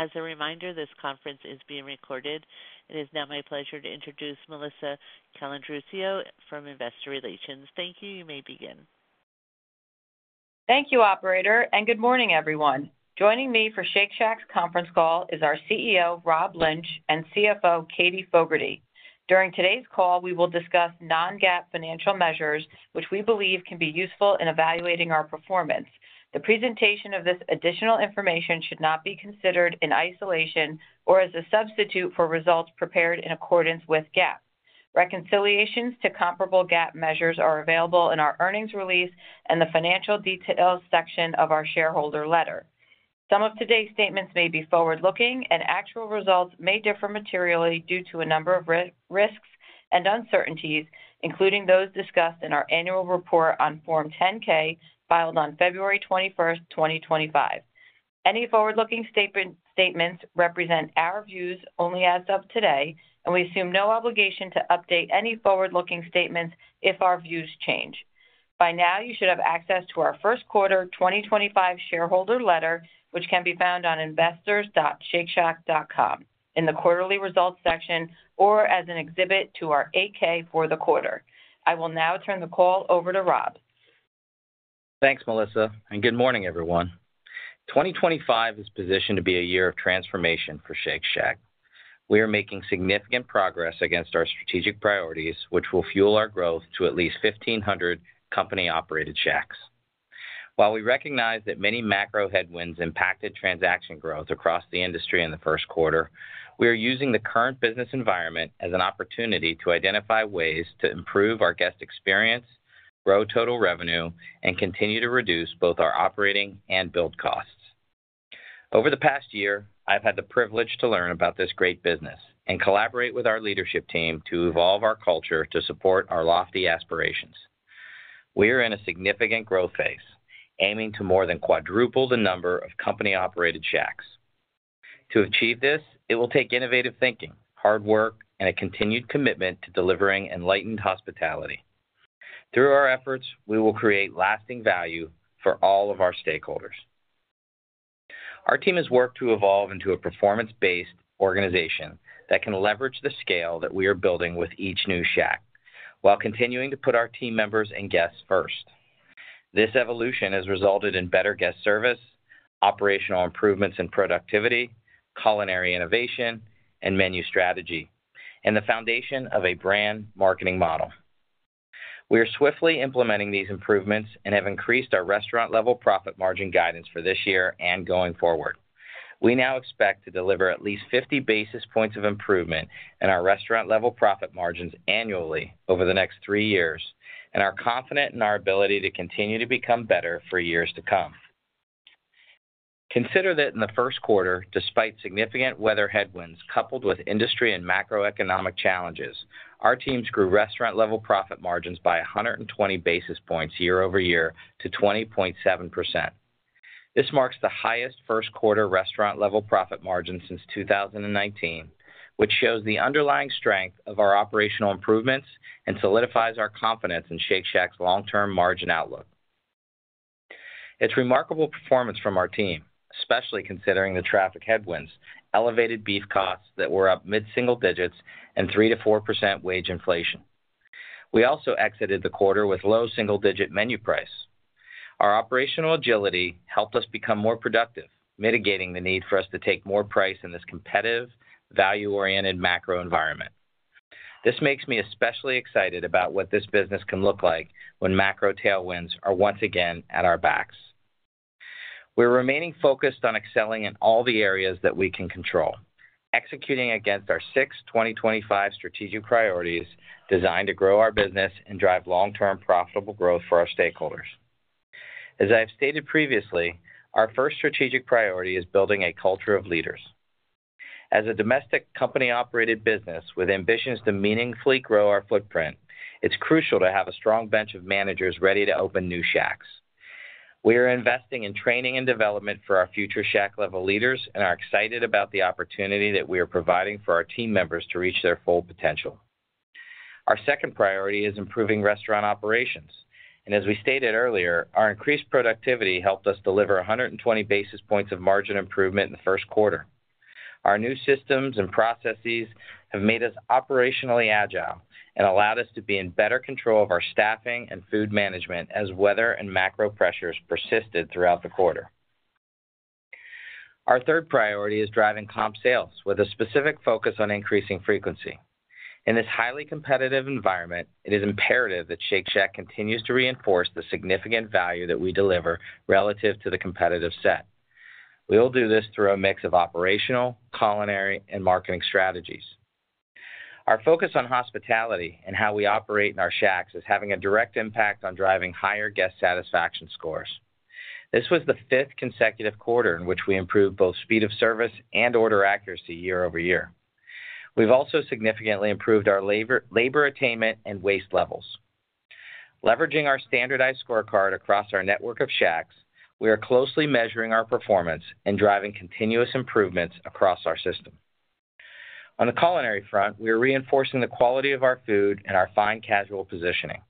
As a reminder, this conference is being recorded. It is now my pleasure to introduce Melissa Calandruccio from Investor Relations. Thank you. You may begin. Thank you, Operator, and good morning, everyone. Joining me for Shake Shack's conference call is our CEO, Rob Lynch, and CFO, Katie Fogertey. During today's call, we will discuss non-GAAP financial measures, which we believe can be useful in evaluating our performance. The presentation of this additional information should not be considered in isolation or as a substitute for results prepared in accordance with GAAP. Reconciliations to comparable GAAP measures are available in our earnings release and the financial details section of our shareholder letter. Some of today's statements may be forward-looking, and actual results may differ materially due to a number of risks and uncertainties, including those discussed in our annual report on Form 10-K filed on February 21st, 2025. Any forward-looking statements represent our views only as of today, and we assume no obligation to update any forward-looking statements if our views change. By now, you should have access to our first quarter 2025 shareholder letter, which can be found on investors.shakeshack.com in the quarterly results section or as an exhibit to our 8-K for the quarter. I will now turn the call over to Rob. Thanks, Melissa, and good morning, everyone. 2025 is positioned to be a year of transformation for Shake Shack. We are making significant progress against our strategic priorities, which will fuel our growth to at least 1,500 company-operated Shacks. While we recognize that many macro headwinds impacted transaction growth across the industry in the first quarter, we are using the current business environment as an opportunity to identify ways to improve our guest experience, grow total revenue, and continue to reduce both our operating and build costs. Over the past year, I've had the privilege to learn about this great business and collaborate with our leadership team to evolve our culture to support our lofty aspirations. We are in a significant growth phase, aiming to more than quadruple the number of company-operated Shacks. To achieve this, it will take innovative thinking, hard work, and a continued commitment to delivering enlightened hospitality. Through our efforts, we will create lasting value for all of our stakeholders. Our team has worked to evolve into a performance-based organization that can leverage the scale that we are building with each new Shack while continuing to put our team members and guests first. This evolution has resulted in better guest service, operational improvements in productivity, culinary innovation, and menu strategy, and the foundation of a brand marketing model. We are swiftly implementing these improvements and have increased our restaurant-level profit margin guidance for this year and going forward. We now expect to deliver at least 50 basis points of improvement in our restaurant-level profit margins annually over the next three years and are confident in our ability to continue to become better for years to come. Consider that in the first quarter, despite significant weather headwinds coupled with industry and macroeconomic challenges, our teams grew restaurant-level profit margins by 120 basis points year-over-year to 20.7%. This marks the highest first-quarter restaurant-level profit margin since 2019, which shows the underlying strength of our operational improvements and solidifies our confidence in Shake Shack's long-term margin outlook. It's remarkable performance from our team, especially considering the traffic headwinds, elevated beef costs that were up mid-single digits, and 3%-4% wage inflation. We also exited the quarter with low single-digit menu price. Our operational agility helped us become more productive, mitigating the need for us to take more price in this competitive, value-oriented macro environment. This makes me especially excited about what this business can look like when macro tailwinds are once again at our backs. We're remaining focused on excelling in all the areas that we can control, executing against our six 2025 strategic priorities designed to grow our business and drive long-term profitable growth for our stakeholders. As I have stated previously, our first strategic priority is building a culture of leaders. As a domestic company-operated business with ambitions to meaningfully grow our footprint, it's crucial to have a strong bench of managers ready to open new Shacks. We are investing in training and development for our future Shack-level leaders and are excited about the opportunity that we are providing for our team members to reach their full potential. Our second priority is improving restaurant operations. As we stated earlier, our increased productivity helped us deliver 120 basis points of margin improvement in the first quarter. Our new systems and processes have made us operationally agile and allowed us to be in better control of our staffing and food management as weather and macro pressures persisted throughout the quarter. Our third priority is driving comp sales, with a specific focus on increasing frequency. In this highly competitive environment, it is imperative that Shake Shack continues to reinforce the significant value that we deliver relative to the competitive set. We will do this through a mix of operational, culinary, and marketing strategies. Our focus on hospitality and how we operate in our shacks is having a direct impact on driving higher guest satisfaction scores. This was the fifth consecutive quarter in which we improved both speed of service and order accuracy year-over-year. We've also significantly improved our labor attainment and waste levels. Leveraging our standardized scorecard across our network of Shacks, we are closely measuring our performance and driving continuous improvements across our system. On the culinary front, we are reinforcing the quality of our food and our fine casual positioning.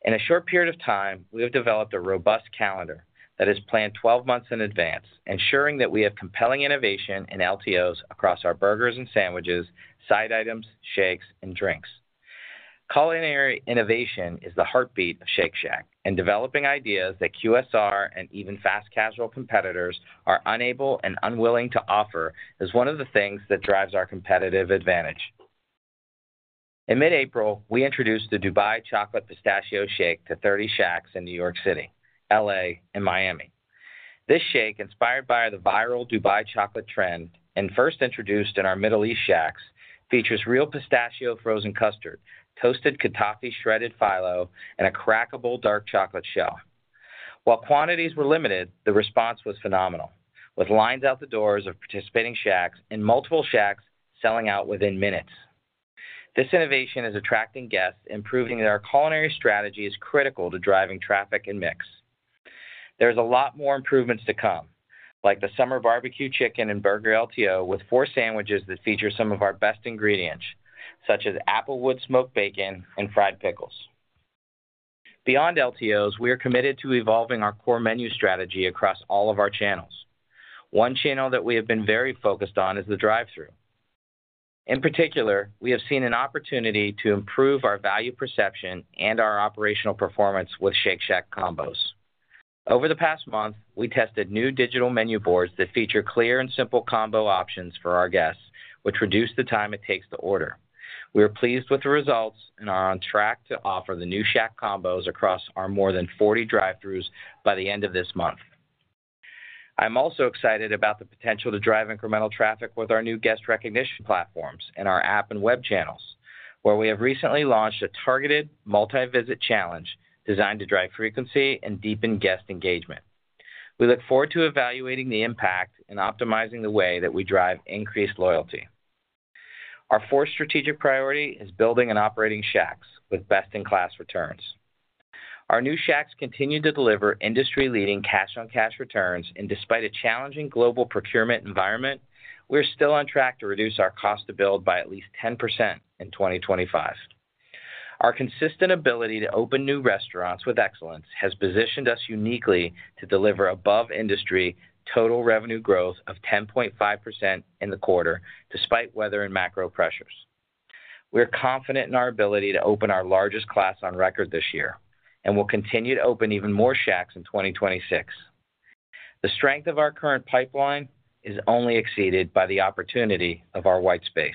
In a short period of time, we have developed a robust calendar that is planned 12 months in advance, ensuring that we have compelling innovation in LTOs across our burgers and sandwiches, side items, shakes, and drinks. Culinary innovation is the heartbeat of Shake Shack, and developing ideas that QSR and even fast casual competitors are unable and unwilling to offer is one of the things that drives our competitive advantage. In mid-April, we introduced the Dubai Chocolate Pistachio Shake to 30 Shacks in New York City, L.A., and Miami. This shake, inspired by the viral Dubai chocolate trend and first introduced in our Middle East Shacks, features real pistachio frozen custard, toasted kataifi shredded filo, and a crackable dark chocolate shell. While quantities were limited, the response was phenomenal, with lines out the doors of participating Shacks and multiple Shacks selling out within minutes. This innovation is attracting guests, improving their culinary strategy is critical to driving traffic and mix. There are a lot more improvements to come, like the summer barbecue chicken and burger LTO with four sandwiches that feature some of our best ingredients, such as applewood smoked bacon and fried pickles. Beyond LTOs, we are committed to evolving our core menu strategy across all of our channels. One channel that we have been very focused on is the drive-thru. In particular, we have seen an opportunity to improve our value perception and our operational performance with Shake Shack combos. Over the past month, we tested new digital menu boards that feature clear and simple combo options for our guests, which reduced the time it takes to order. We are pleased with the results and are on track to offer the new Shake Shack combos across our more than 40 drive-thrus by the end of this month. I'm also excited about the potential to drive incremental traffic with our new guest recognition platforms and our app and web channels, where we have recently launched a targeted multi-visit challenge designed to drive frequency and deepen guest engagement. We look forward to evaluating the impact and optimizing the way that we drive increased loyalty. Our fourth strategic priority is building and operating Shacks with best-in-class returns. Our new Shacks continue to deliver industry-leading cash-on-cash returns, and despite a challenging global procurement environment, we are still on track to reduce our cost to build by at least 10% in 2025. Our consistent ability to open new restaurants with excellence has positioned us uniquely to deliver above-industry total revenue growth of 10.5% in the quarter, despite weather and macro pressures. We are confident in our ability to open our largest class on record this year and will continue to open even more Shacks in 2026. The strength of our current pipeline is only exceeded by the opportunity of our white space.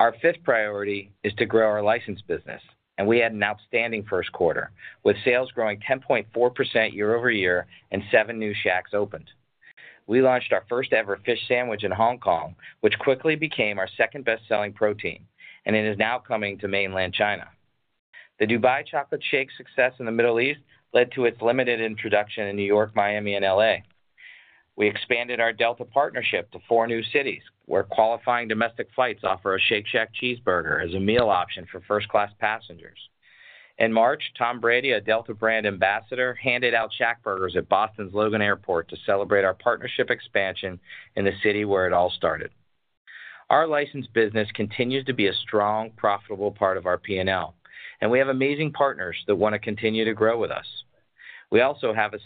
Our fifth priority is to grow our license business, and we had an outstanding first quarter with sales growing 10.4% year-over-year and seven new Shacks opened. We launched our first-ever fish sandwich in Hong Kong, which quickly became our second-best-selling protein, and it is now coming to mainland China. The Dubai Chocolate Shake's success in the Middle East led to its limited introduction in New York, Miami, and L.A. We expanded our Delta partnership to four new cities, where qualifying domestic flights offer a Shake Shack cheeseburger as a meal option for first-class passengers. In March, Tom Brady, a Delta brand ambassador, handed out Shack Burgers at Boston's Logan Airport to celebrate our partnership expansion in the city where it all started. Our license business continues to be a strong, profitable part of our P&L, and we have amazing partners that want to continue to grow with us. We also have a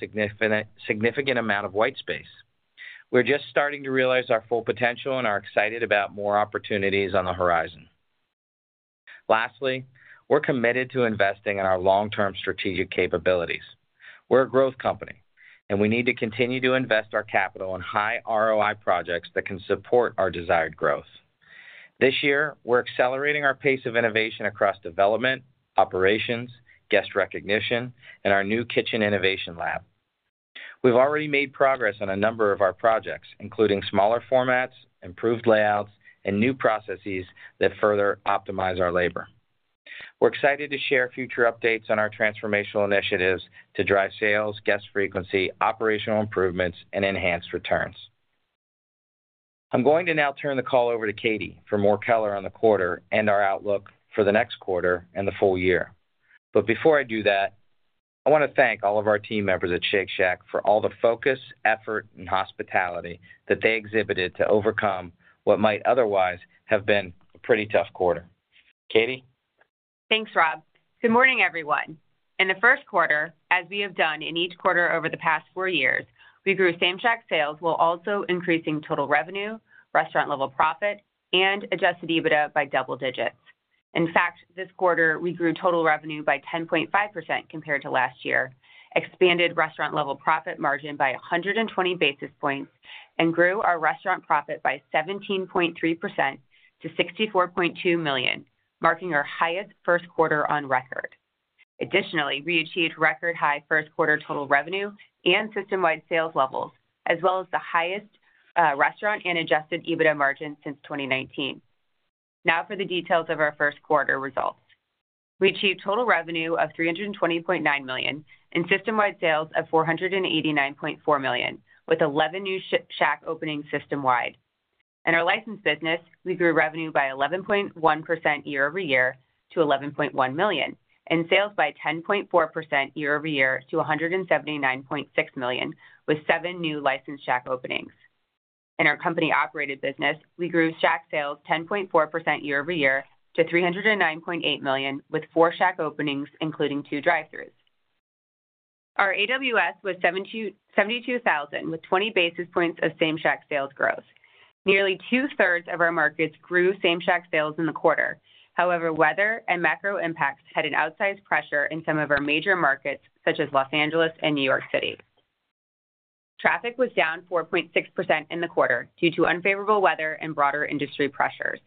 significant amount of white space. We're just starting to realize our full potential and are excited about more opportunities on the horizon. Lastly, we're committed to investing in our long-term strategic capabilities. We're a growth company, and we need to continue to invest our capital in high ROI projects that can support our desired growth. This year, we're accelerating our pace of innovation across development, operations, guest recognition, and our new kitchen innovation lab. We've already made progress on a number of our projects, including smaller formats, improved layouts, and new processes that further optimize our labor. We're excited to share future updates on our transformational initiatives to drive sales, guest frequency, operational improvements, and enhanced returns. I'm going to now turn the call over to Katie for more color on the quarter and our outlook for the next quarter and the full year. Before I do that, I want to thank all of our team members at Shake Shack for all the focus, effort, and hospitality that they exhibited to overcome what might otherwise have been a pretty tough quarter. Katie? Thanks, Rob. Good morning, everyone. In the first quarter, as we have done in each quarter over the past four years, we grew same-shack sales while also increasing total revenue, restaurant-level profit, and adjusted EBITDA by double digits. In fact, this quarter, we grew total revenue by 10.5% compared to last year, expanded restaurant-level profit margin by 120 basis points, and grew our restaurant profit by 17.3% to $64.2 million, marking our highest first quarter on record. Additionally, we achieved record-high first-quarter total revenue and system-wide sales levels, as well as the highest restaurant and adjusted EBITDA margin since 2019. Now for the details of our first quarter results. We achieved total revenue of $320.9 million and system-wide sales of $489.4 million, with 11 new shack openings system-wide. In our license business, we grew revenue by 11.1% year-over-year to $11.1 million and sales by 10.4% year-over-year to $179.6 million with seven new licensed Shack openings. In our company-operated business, we grew Shack sales 10.4% year-over-year to $309.8 million with four Shack openings, including two drive-thrus. Our AWS was $72,000 with 20 basis points of same-Shack sales growth. Nearly two-thirds of our markets grew same-Shack sales in the quarter. However, weather and macro impacts had an outsized pressure in some of our major markets, such as Los Angeles and New York City. Traffic was down 4.6% in the quarter due to unfavorable weather and broader industry pressures.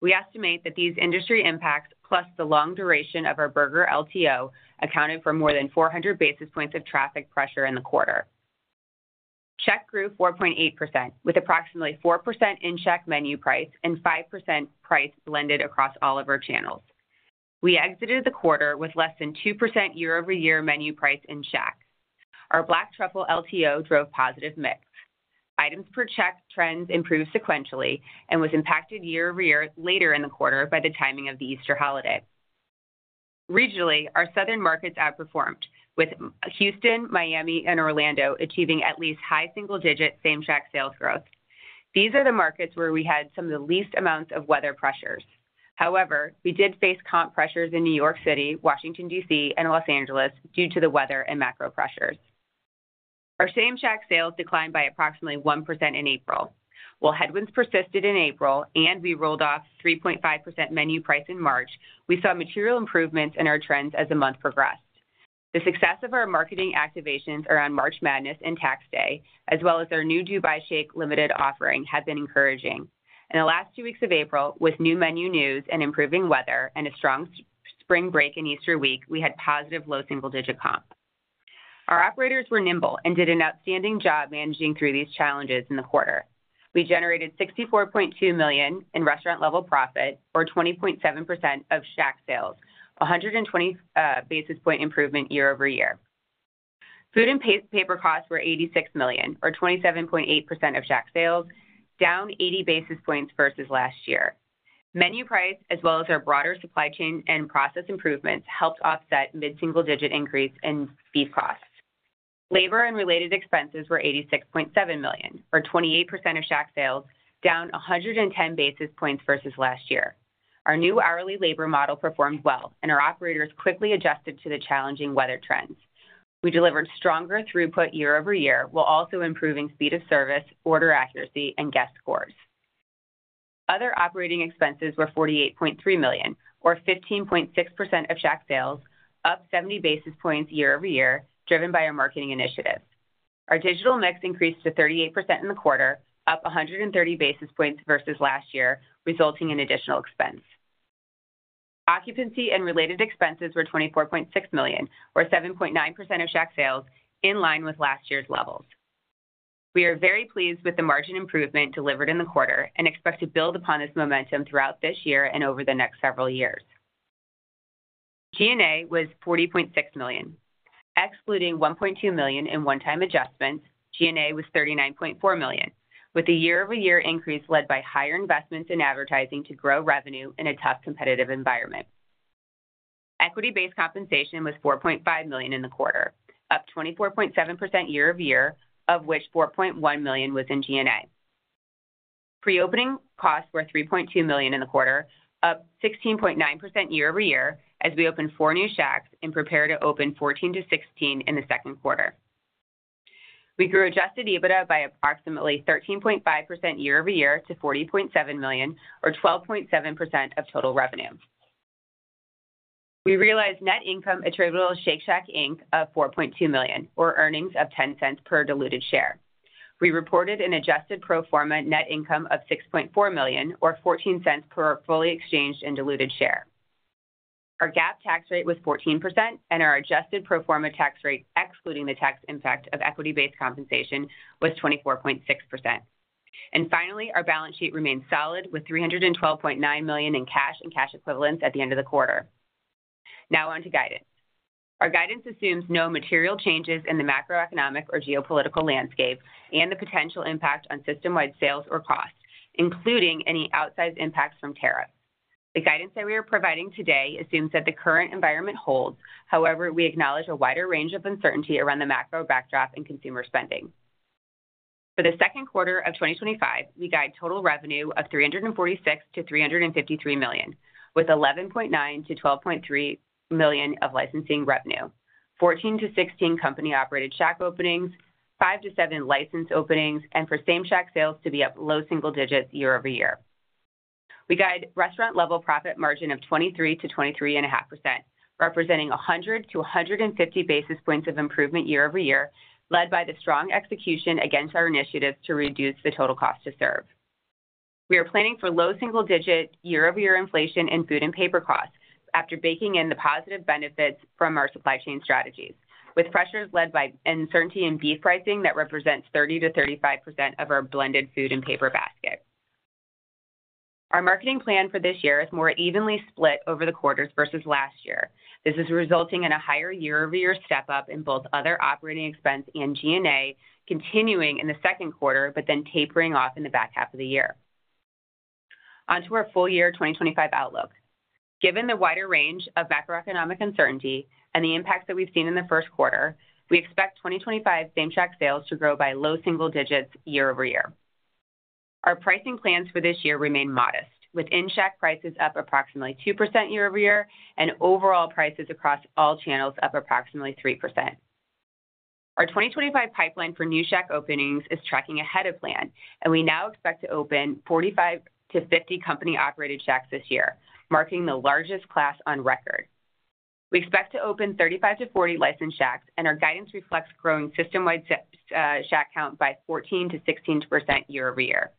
We estimate that these industry impacts, plus the long duration of our burger LTO, accounted for more than 400 basis points of traffic pressure in the quarter. Shack grew 4.8% with approximately 4% in-shack menu price and 5% price blended across all of our channels. We exited the quarter with less than 2% year-over-year menu price in shack. Our Black Truffle LTO drove positive mix. Items per check trends improved sequentially and was impacted year-over-year later in the quarter by the timing of the Easter holiday. Regionally, our southern markets outperformed, with Houston, Miami, and Orlando achieving at least high single-digit same-shack sales growth. These are the markets where we had some of the least amounts of weather pressures. However, we did face comp pressures in New York City, Washington, D.C., and Los Angeles due to the weather and macro pressures. Our same-shack sales declined by approximately 1% in April. While headwinds persisted in April and we rolled off 3.5% menu price in March, we saw material improvements in our trends as the month progressed. The success of our marketing activations around March Madness and Tax Day, as well as our new Dubai Shake limited offering, has been encouraging. In the last two weeks of April, with new menu news and improving weather and a strong spring break in Easter week, we had positive low single-digit comp. Our operators were nimble and did an outstanding job managing through these challenges in the quarter. We generated $64.2 million in restaurant-level profit, or 20.7% of Shack sales, 120 basis point improvement year-over-year. Food and paper costs were $86 million, or 27.8% of Shack sales, down 80 basis points versus last year. Menu price, as well as our broader supply chain and process improvements, helped offset mid-single-digit increase in fee costs. Labor and related expenses were $86.7 million, or 28% of Shack sales, down 110 basis points versus last year. Our new hourly labor model performed well, and our operators quickly adjusted to the challenging weather trends. We delivered stronger throughput year-over-year while also improving speed of service, order accuracy, and guest scores. Other operating expenses were $48.3 million, or 15.6% of Shack sales, up 70 basis points year-over-year, driven by our marketing initiatives. Our digital mix increased to 38% in the quarter, up 130 basis points versus last year, resulting in additional expense. Occupancy and related expenses were $24.6 million, or 7.9% of Shack sales, in line with last year's levels. We are very pleased with the margin improvement delivered in the quarter and expect to build upon this momentum throughout this year and over the next several years. G&A was $40.6 million. Excluding $1.2 million in one-time adjustments, G&A was $39.4 million, with a year-over-year increase led by higher investments in advertising to grow revenue in a tough competitive environment. Equity-based compensation was $4.5 million in the quarter, up 24.7% year-over-year, of which $4.1 million was in G&A. Pre-opening costs were $3.2 million in the quarter, up 16.9% year-over-year, as we opened four new Shacks and prepared to open 14-16 in the second quarter. We grew adjusted EBITDA by approximately 13.5% year-over-year to $40.7 million, or 12.7% of total revenue. We realized net income attributable to Shake Shack of $4.2 million, or earnings of $0.10 per diluted share. We reported an adjusted pro forma net income of $6.4 million, or $0.14 per fully exchanged and diluted share. Our GAAP tax rate was 14%, and our adjusted pro forma tax rate, excluding the tax impact of equity-based compensation, was 24.6%. Finally, our balance sheet remained solid with $312.9 million in cash and cash equivalents at the end of the quarter. Now on to guidance. Our guidance assumes no material changes in the macroeconomic or geopolitical landscape and the potential impact on system-wide sales or costs, including any outsized impacts from tariffs. The guidance that we are providing today assumes that the current environment holds; however, we acknowledge a wider range of uncertainty around the macro backdrop and consumer spending. For the second quarter of 2025, we guide total revenue of $346 million-$353 million, with $11.9 million-$12.3 million of licensing revenue, 14-16 company-operated Shack openings, 5-7 licensed openings, and for same-Shack sales to be at low single digits year over year. We guide restaurant-level profit margin of 23%-23.5%, representing 100-150 basis points of improvement year-over-year, led by the strong execution against our initiatives to reduce the total cost to serve. We are planning for low single-digit year-over-year inflation in food and paper costs after baking in the positive benefits from our supply chain strategies, with pressures led by uncertainty in beef pricing that represents 30%-35% of our blended food and paper basket. Our marketing plan for this year is more evenly split over the quarters versus last year. This is resulting in a higher year-over-year step-up in both other operating expense and G&A, continuing in the second quarter, but then tapering off in the back half of the year. On to our full year 2025 outlook. Given the wider range of macroeconomic uncertainty and the impacts that we've seen in the first quarter, we expect 2025 same-Shack sales to grow by low single digits year-over-year. Our pricing plans for this year remain modest, with in-Shack prices up approximately 2% year-over-year and overall prices across all channels up approximately 3%. Our 2025 pipeline for new Shack openings is tracking ahead of plan, and we now expect to open 45-50 company-operated Shacks this year, marking the largest class on record. We expect to open 35-40 licensed Shacks, and our guidance reflects growing system-wide Shack count by 14%-16% year over year.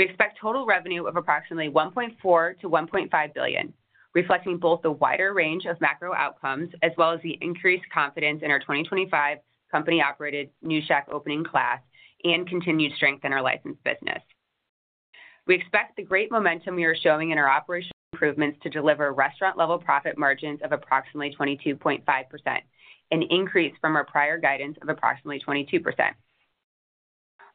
We expect total revenue of approximately $1.4 billion-$1.5 billion, reflecting both the wider range of macro outcomes as well as the increased confidence in our 2025 company-operated new Shack opening class and continued strength in our license business. We expect the great momentum we are showing in our operational improvements to deliver restaurant-level profit margins of approximately 22.5%, an increase from our prior guidance of approximately 22%.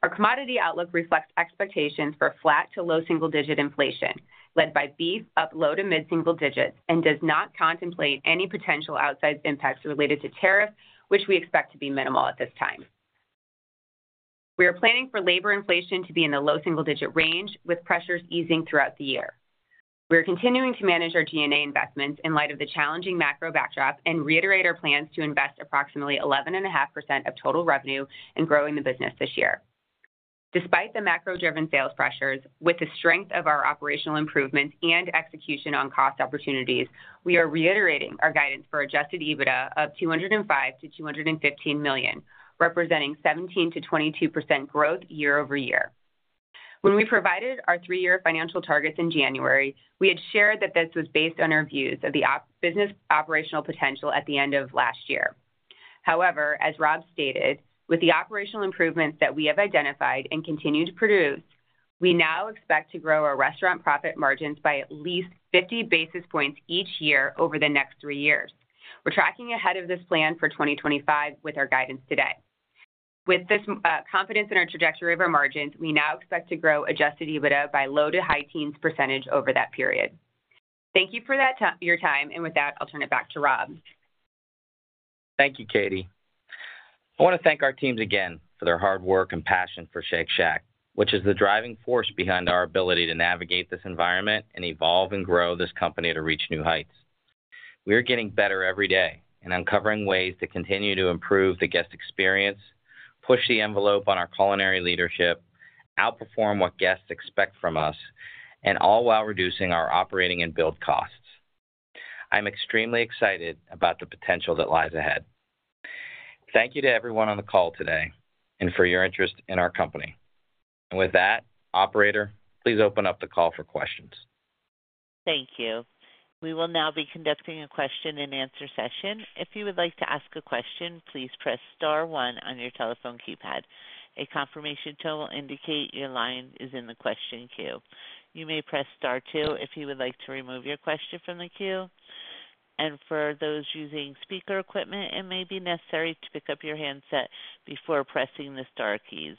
Our commodity outlook reflects expectations for flat to low single-digit inflation, led by beef up low to mid-single digits, and does not contemplate any potential outsized impacts related to tariffs, which we expect to be minimal at this time. We are planning for labor inflation to be in the low single-digit range, with pressures easing throughout the year. We are continuing to manage our G&A investments in light of the challenging macro backdrop and reiterate our plans to invest approximately 11.5% of total revenue in growing the business this year. Despite the macro-driven sales pressures, with the strength of our operational improvements and execution on cost opportunities, we are reiterating our guidance for adjusted EBITDA of $205 million-$215 million, representing 17%-22% growth year-over-year. When we provided our three-year financial targets in January, we had shared that this was based on our views of the business operational potential at the end of last year. However, as Rob stated, with the operational improvements that we have identified and continue to produce, we now expect to grow our restaurant profit margins by at least 50 basis points each year over the next three years. We're tracking ahead of this plan for 2025 with our guidance today. With this confidence in our trajectory of our margins, we now expect to grow adjusted EBITDA by low to high teens percentage over that period. Thank you for your time, and with that, I'll turn it back to Rob. Thank you, Katie. I want to thank our teams again for their hard work and passion for Shake Shack, which is the driving force behind our ability to navigate this environment and evolve and grow this company to reach new heights. We are getting better every day and uncovering ways to continue to improve the guest experience, push the envelope on our culinary leadership, outperform what guests expect from us, and all while reducing our operating and build costs. I'm extremely excited about the potential that lies ahead. Thank you to everyone on the call today and for your interest in our company. With that, Operator, please open up the call for questions. Thank you. We will now be conducting a question-and-answer session. If you would like to ask a question, please press Star one on your telephone keypad. A confirmation tone will indicate your line is in the question queue. You may press Star two if you would like to remove your question from the queue. For those using speaker equipment, it may be necessary to pick up your handset before pressing the Star keys.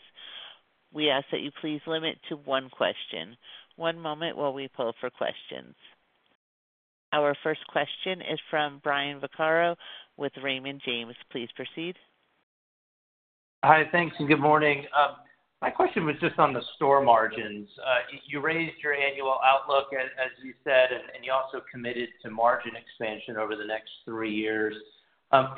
We ask that you please limit to one question. One moment while we pull for questions. Our first question is from Brian Vaccaro with Raymond James. Please proceed. Hi, thanks, and good morning. My question was just on the store margins. You raised your annual outlook, as you said, and you also committed to margin expansion over the next three years.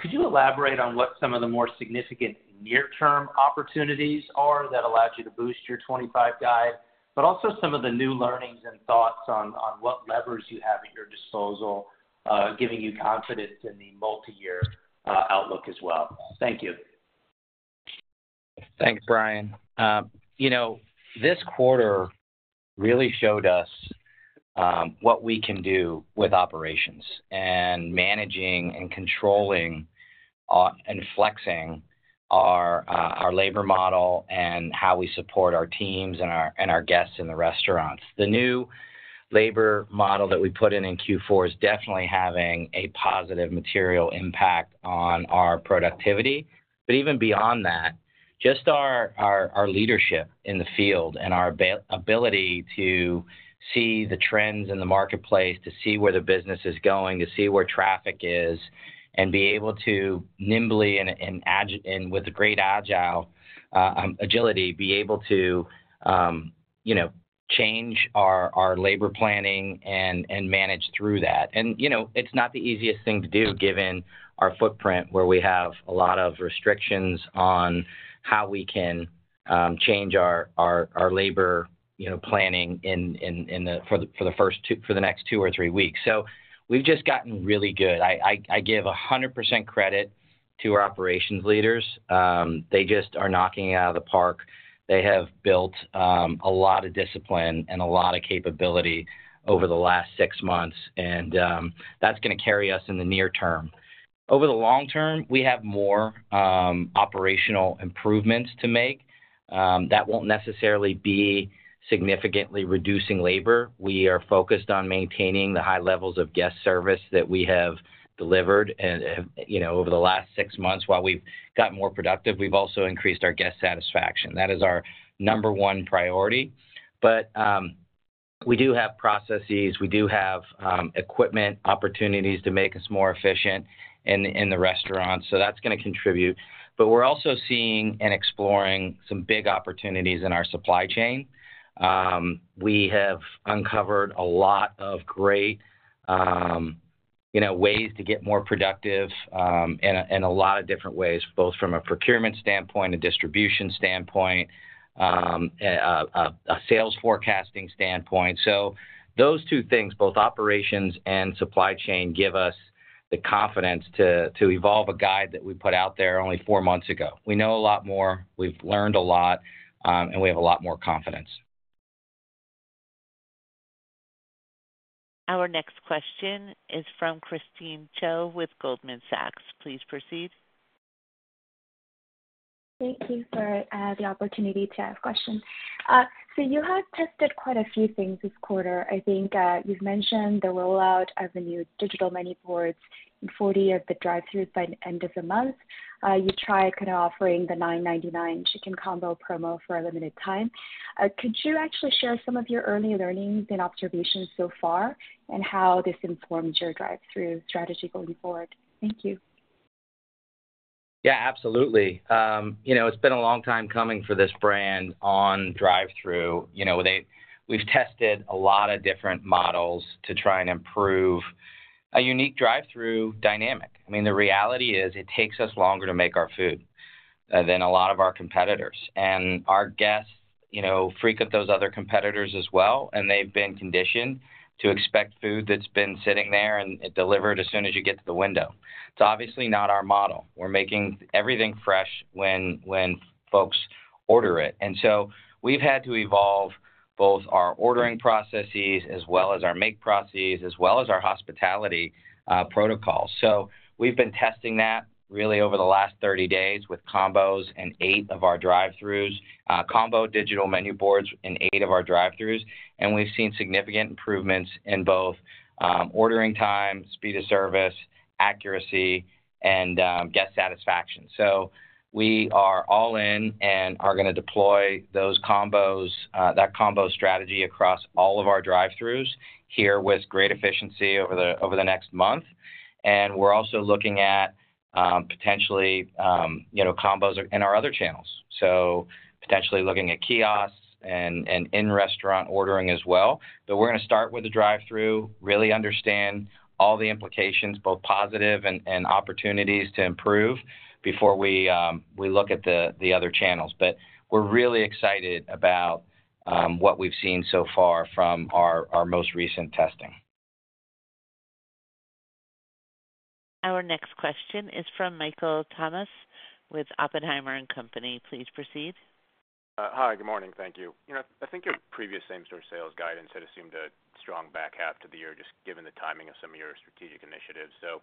Could you elaborate on what some of the more significant near-term opportunities are that allowed you to boost your 25 guide, but also some of the new learnings and thoughts on what levers you have at your disposal, giving you confidence in the multi-year outlook as well? Thank you. Thanks, Brian. You know, this quarter really showed us what we can do with operations and managing and controlling and flexing our labor model and how we support our teams and our guests in the restaurants. The new labor model that we put in in Q4 is definitely having a positive material impact on our productivity. Even beyond that, just our leadership in the field and our ability to see the trends in the marketplace, to see where the business is going, to see where traffic is, and be able to nimbly and with great agility be able to change our labor planning and manage through that. You know, it's not the easiest thing to do given our footprint where we have a lot of restrictions on how we can change our labor planning for the next two or three weeks. We have just gotten really good. I give 100% credit to our operations leaders. They just are knocking it out of the park. They have built a lot of discipline and a lot of capability over the last six months, and that's going to carry us in the near-term. Over the long-term, we have more operational improvements to make. That won't necessarily be significantly reducing labor. We are focused on maintaining the high levels of guest service that we have delivered over the last six months. While we've gotten more productive, we've also increased our guest satisfaction. That is our number one priority. We do have processes. We do have equipment opportunities to make us more efficient in the restaurants. That's going to contribute. We are also seeing and exploring some big opportunities in our supply chain. We have uncovered a lot of great ways to get more productive in a lot of different ways, both from a procurement standpoint, a distribution standpoint, a sales forecasting standpoint. Those two things, both operations and supply chain, give us the confidence to evolve a guide that we put out there only four months ago. We know a lot more. We've learned a lot, and we have a lot more confidence. Our next question is from Christine Cho with Goldman Sachs. Please proceed. Thank you for the opportunity to ask questions. You have tested quite a few things this quarter. I think you've mentioned the rollout of the new digital menu boards in 40 of the drive-thrus by the end of the month. You tried kind of offering the $9.99 chicken combo promo for a limited time. Could you actually share some of your early learnings and observations so far and how this informs your drive-thru strategy going forward? Thank you. Yeah, absolutely. You know, it's been a long time coming for this brand on drive-thru. You know, we've tested a lot of different models to try and improve a unique drive-thru dynamic. I mean, the reality is it takes us longer to make our food than a lot of our competitors. And our guests frequent those other competitors as well, and they've been conditioned to expect food that's been sitting there and delivered as soon as you get to the window. It's obviously not our model. We're making everything fresh when folks order it. And so we've had to evolve both our ordering processes as well as our make processes as well as our hospitality protocols. We have been testing that really over the last 30 days with combos in eight of our drive-thrus, combo digital menu boards in eight of our drive-thrus, and we have seen significant improvements in both ordering time, speed of service, accuracy, and guest satisfaction. We are all in and are going to deploy that combo strategy across all of our drive-thrus here with great efficiency over the next month. We are also looking at potentially combos in our other channels, potentially looking at kiosks and in-restaurant ordering as well. We are going to start with the drive-thru, really understand all the implications, both positive and opportunities to improve before we look at the other channels. We are really excited about what we have seen so far from our most recent testing. Our next question is from Michael Tamas with Oppenheimer & Company. Please proceed. Hi, good morning. Thank you. You know, I think your previous same-Shack sales guidance had assumed a strong back half to the year just given the timing of some of your strategic initiatives. It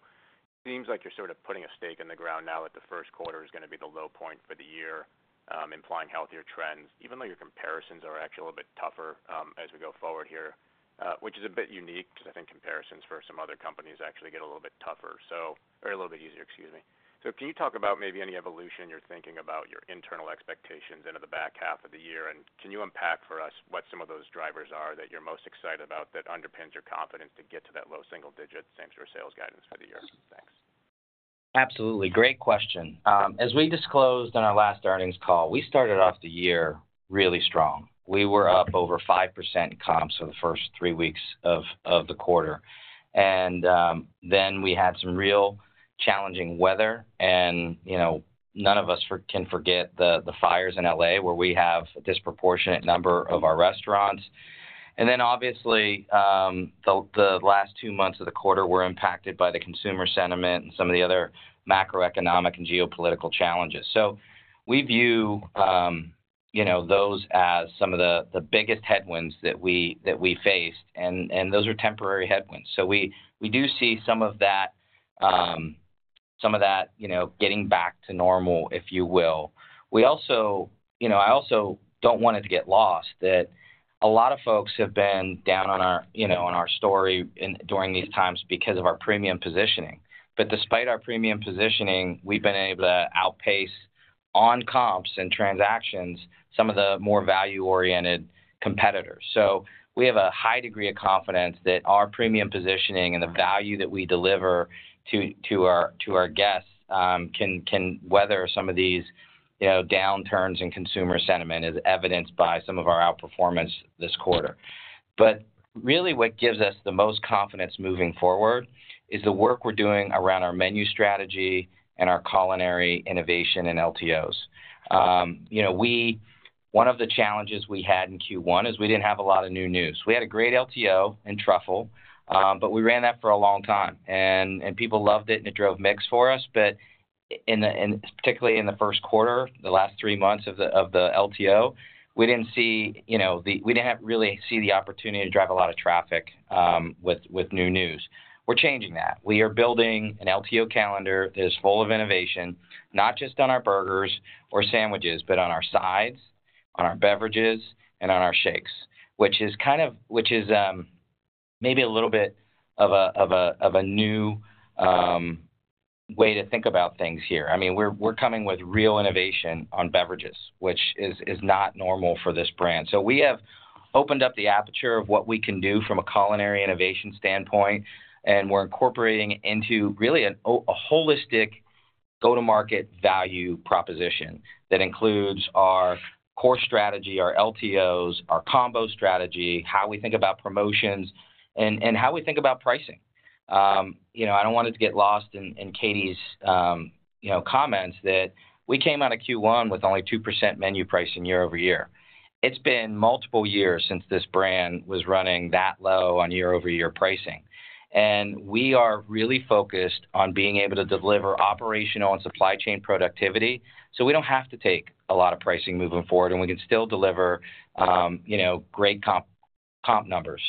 seems like you're sort of putting a stake in the ground now that the first quarter is going to be the low point for the year, implying healthier trends, even though your comparisons are actually a little bit tougher as we go forward here, which is a bit unique because I think comparisons for some other companies actually get a little bit tougher or a little bit easier, excuse me. Can you talk about maybe any evolution you're thinking about your internal expectations into the back half of the year? Can you unpack for us what some of those drivers are that you're most excited about that underpins your confidence to get to that low single-digit same-Shack sales guidance for the year? Thanks. Absolutely. Great question. As we disclosed in our last earnings call, we started off the year really strong. We were up over 5% in comps for the first three weeks of the quarter. We had some real challenging weather. None of us can forget the fires in Los Angeles where we have a disproportionate number of our restaurants. Obviously, the last two months of the quarter were impacted by the consumer sentiment and some of the other macroeconomic and geopolitical challenges. We view those as some of the biggest headwinds that we faced. Those are temporary headwinds. We do see some of that getting back to normal, if you will. I also do not want it to get lost that a lot of folks have been down on our story during these times because of our premium positioning. Despite our premium positioning, we've been able to outpace on comps and transactions some of the more value-oriented competitors. We have a high degree of confidence that our premium positioning and the value that we deliver to our guests can weather some of these downturns in consumer sentiment as evidenced by some of our outperformance this quarter. What really gives us the most confidence moving forward is the work we're doing around our menu strategy and our culinary innovation and LTOs. One of the challenges we had in Q1 is we didn't have a lot of new news. We had a great LTO in truffle, but we ran that for a long time. People loved it, and it drove mix for us. Particularly in the first quarter, the last three months of the LTO, we did not really see the opportunity to drive a lot of traffic with new news. We are changing that. We are building an LTO calendar that is full of innovation, not just on our burgers or sandwiches, but on our sides, on our beverages, and on our shakes, which is kind of maybe a little bit of a new way to think about things here. I mean, we are coming with real innovation on beverages, which is not normal for this brand. We have opened up the aperture of what we can do from a culinary innovation standpoint, and we are incorporating into really a holistic go-to-market value proposition that includes our core strategy, our LTOs, our combo strategy, how we think about promotions, and how we think about pricing. I don't want it to get lost in Katie's comments that we came out of Q1 with only 2% menu pricing year-over-year. It's been multiple years since this brand was running that low on year-over-year pricing. We are really focused on being able to deliver operational and supply chain productivity so we don't have to take a lot of pricing moving forward, and we can still deliver great comp numbers.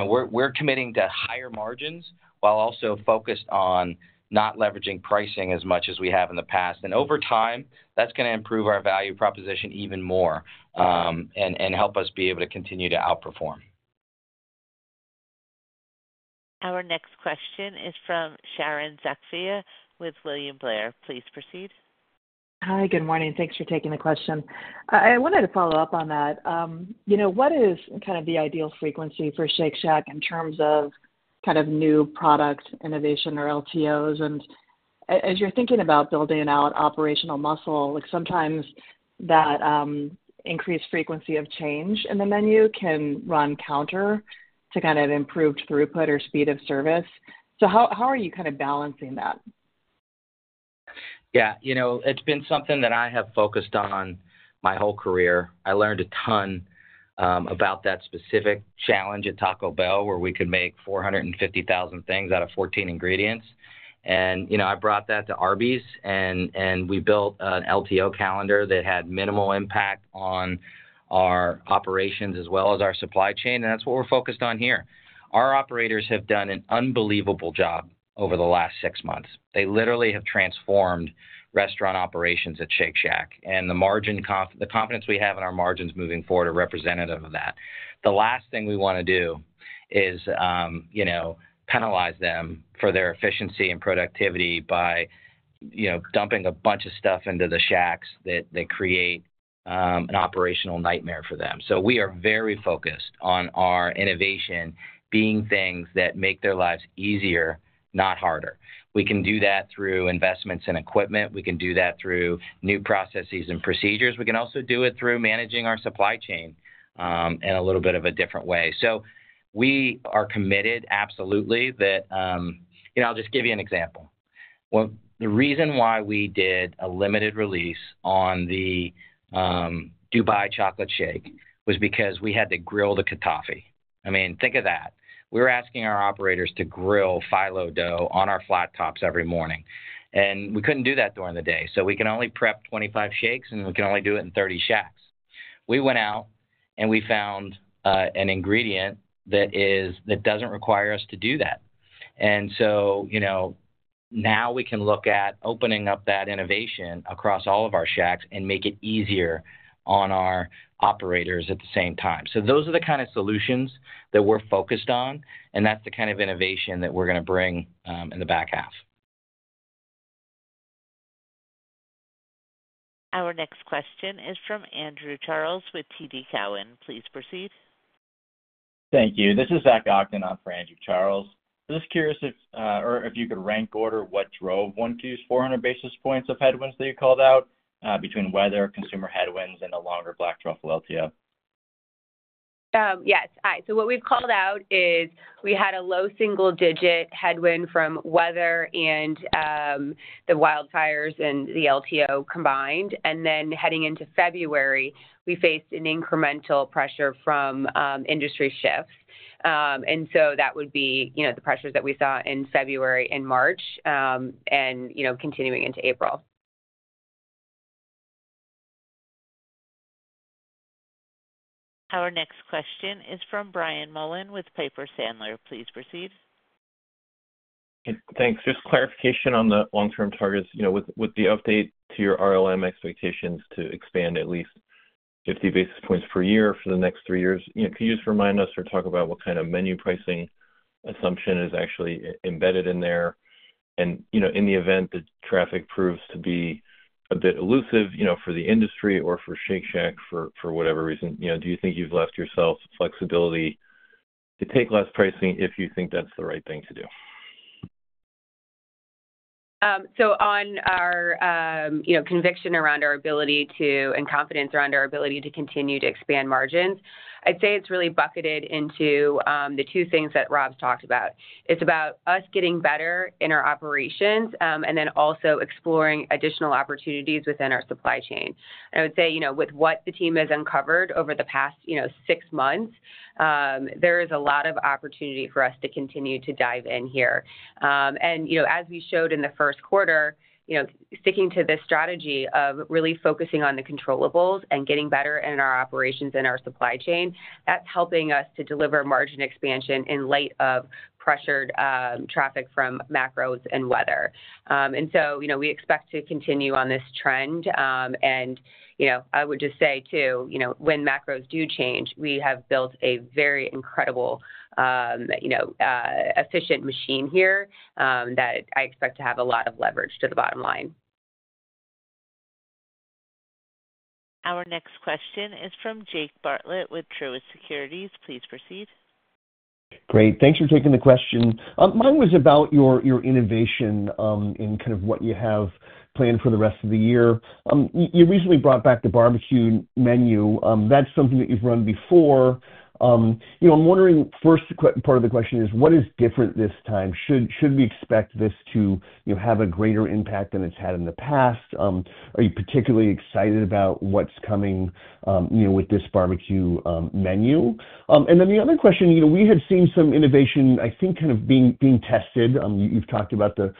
We're committing to higher margins while also focused on not leveraging pricing as much as we have in the past. Over time, that's going to improve our value proposition even more and help us be able to continue to outperform. Our next question is from Sharon Zackfia with William Blair. Please proceed. Hi, good morning. Thanks for taking the question. I wanted to follow up on that. You know, what is kind of the ideal frequency for Shake Shack in terms of kind of new product innovation or LTOs? As you're thinking about building out operational muscle, sometimes that increased frequency of change in the menu can run counter to kind of improved throughput or speed of service. How are you kind of balancing that? Yeah, you know, it's been something that I have focused on my whole career. I learned a ton about that specific challenge at Taco Bell, where we could make 450,000 things out of 14 ingredients. I brought that to Arby's, and we built an LTO calendar that had minimal impact on our operations as well as our supply chain. That is what we're focused on here. Our operators have done an unbelievable job over the last six months. They literally have transformed restaurant operations at Shake Shack. The confidence we have in our margins moving forward are representative of that. The last thing we want to do is penalize them for their efficiency and productivity by dumping a bunch of stuff into the Shacks that create an operational nightmare for them. We are very focused on our innovation being things that make their lives easier, not harder. We can do that through investments in equipment. We can do that through new processes and procedures. We can also do it through managing our supply chain in a little bit of a different way. We are committed absolutely that, and I'll just give you an example. The reason why we did a limited release on the Dubai Chocolate Pistachio Shake was because we had to grill the kataifi. I mean, think of that. We were asking our operators to grill phyllo dough on our flat tops every morning. We could not do that during the day. We could only prep 25 shakes, and we could only do it in 30 Shacks. We went out and we found an ingredient that does not require us to do that. Now we can look at opening up that innovation across all of our Shacks and make it easier on our operators at the same time. Those are the kind of solutions that we're focused on, and that's the kind of innovation that we're going to bring in the back half. Our next question is from Andrew Charles with TD Cowen. Please proceed. Thank you. This is Zach Ogden for Andrew Charles. I was curious if you could rank order what drove 1-400 basis points of headwinds that you called out between weather, consumer headwinds, and a longer Black Truffle LTO. Yes. What we've called out is we had a low single-digit headwind from weather and the wildfires and the LTO combined. Heading into February, we faced an incremental pressure from industry shifts. That would be the pressures that we saw in February and March and continuing into April. Our next question is from Brian Mullan with Piper Sandler. Please proceed. Thanks. Just clarification on the long-term targets with the update to your RLM expectations to expand at least 50 basis points per year for the next three years. Could you just remind us or talk about what kind of menu pricing assumption is actually embedded in there? In the event that traffic proves to be a bit elusive for the industry or for Shake Shack for whatever reason, do you think you've left yourselves the flexibility to take less pricing if you think that's the right thing to do? On our conviction around our ability to and confidence around our ability to continue to expand margins, I'd say it's really bucketed into the two things that Rob's talked about. It's about us getting better in our operations and then also exploring additional opportunities within our supply chain. I would say with what the team has uncovered over the past six months, there is a lot of opportunity for us to continue to dive in here. As we showed in the first quarter, sticking to this strategy of really focusing on the controllables, and getting better in our operations and our supply chain, that's helping us to deliver margin expansion in light of pressured traffic from macros and weather. We expect to continue on this trend. I would just say too, when macros do change, we have built a very incredible efficient machine here that I expect to have a lot of leverage to the bottom line. Our next question is from Jake Bartlett with Truist Securities. Please proceed. Great. Thanks for taking the question. Mine was about your innovation in kind of what you have planned for the rest of the year. You recently brought back the barbecue menu. That's something that you've run before. I'm wondering, first part of the question is, what is different this time? Should we expect this to have a greater impact than it's had in the past? Are you particularly excited about what's coming with this barbecue menu? The other question, we had seen some innovation, I think kind of being tested. You've talked about the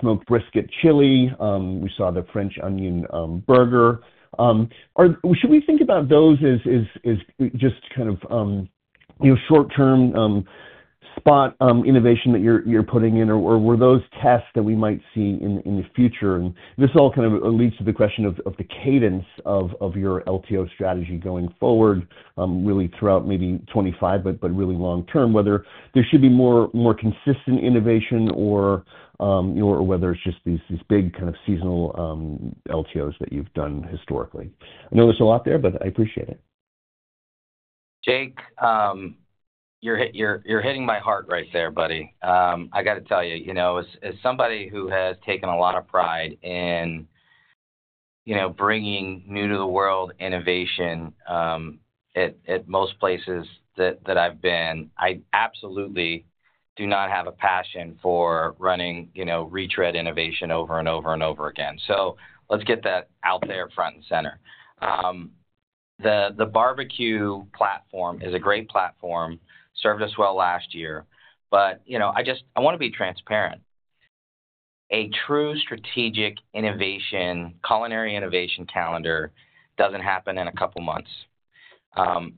smoked brisket chili. We saw the French onion burger. Should we think about those as just kind of short-term spot innovation that you're putting in, or were those tests that we might see in the future? This all kind of leads to the question of the cadence of your LTO strategy going forward, really throughout maybe 2025, but really long-term, whether there should be more consistent innovation or whether it's just these big kind of seasonal LTOs that you've done historically. I know there's a lot there, but I appreciate it. Jake, you're hitting my heart right there, buddy. I got to tell you, as somebody who has taken a lot of pride in bringing new-to-the-world innovation at most places that I've been, I absolutely do not have a passion for running retread innovation over and over and over again. Let's get that out there front and center. The barbecue platform is a great platform, served us well last year. I want to be transparent. A true strategic culinary innovation calendar doesn't happen in a couple of months.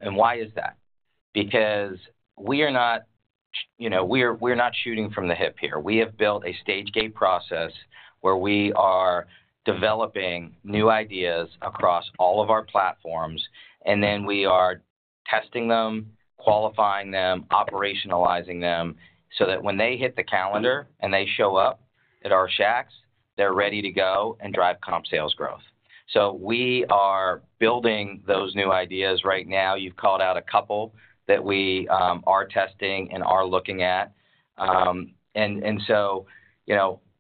Why is that? Because we are not shooting from the hip here. We have built a stage-gate process where we are developing new ideas across all of our platforms, and then we are testing them, qualifying them, operationalizing them so that when they hit the calendar and they show up at our Shacks, they're ready to go and drive comp sales growth. We are building those new ideas right now. You've called out a couple that we are testing and are looking at.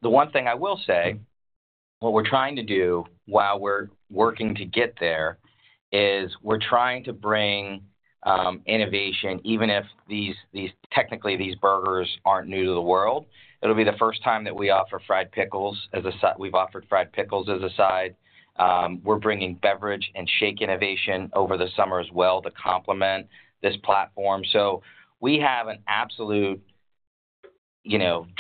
The one thing I will say, what we're trying to do while we're working to get there is we're trying to bring innovation, even if technically these burgers aren't new to the world. It'll be the first time that we offer fried pickles as a side. We've offered fried pickles as a side. We're bringing beverage and shake innovation over the summer as well to complement this platform. We have an absolute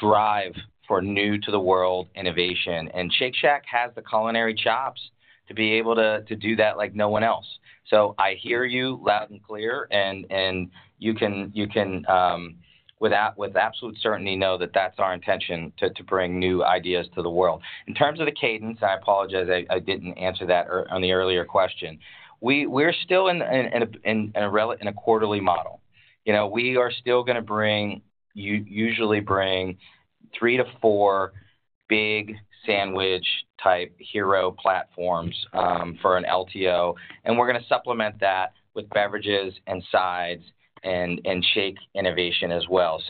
drive for new-to-the-world innovation. Shake Shack has the culinary chops to be able to do that like no one else. I hear you loud and clear, and you can, with absolute certainty, know that that's our intention to bring new ideas to the world. In terms of the cadence, I apologize. I didn't answer that on the earlier question. We're still in a quarterly model. We are still going to usually bring three to four big sandwich-type hero platforms for an LTO. We're going to supplement that with beverages and sides and shake innovation as well.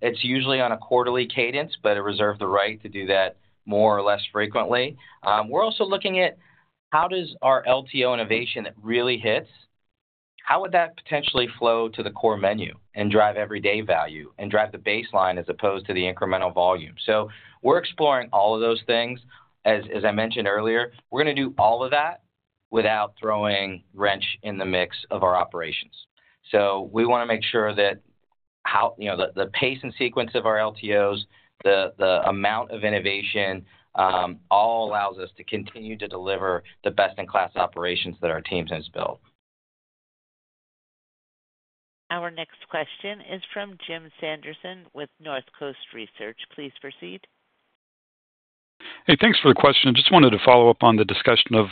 It's usually on a quarterly cadence, but I reserve the right to do that more or less frequently. We're also looking at how does our LTO innovation really hit? How would that potentially flow to the core menu and drive everyday value and drive the baseline as opposed to the incremental volume? We are exploring all of those things. As I mentioned earlier, we are going to do all of that without throwing a wrench in the mix of our operations. We want to make sure that the pace and sequence of our LTOs, the amount of innovation, all allows us to continue to deliver the best-in-class operations that our team has built. Our next question is from Jim Sanderson with Northcoast Research. Please proceed. Hey, thanks for the question. I just wanted to follow up on the discussion of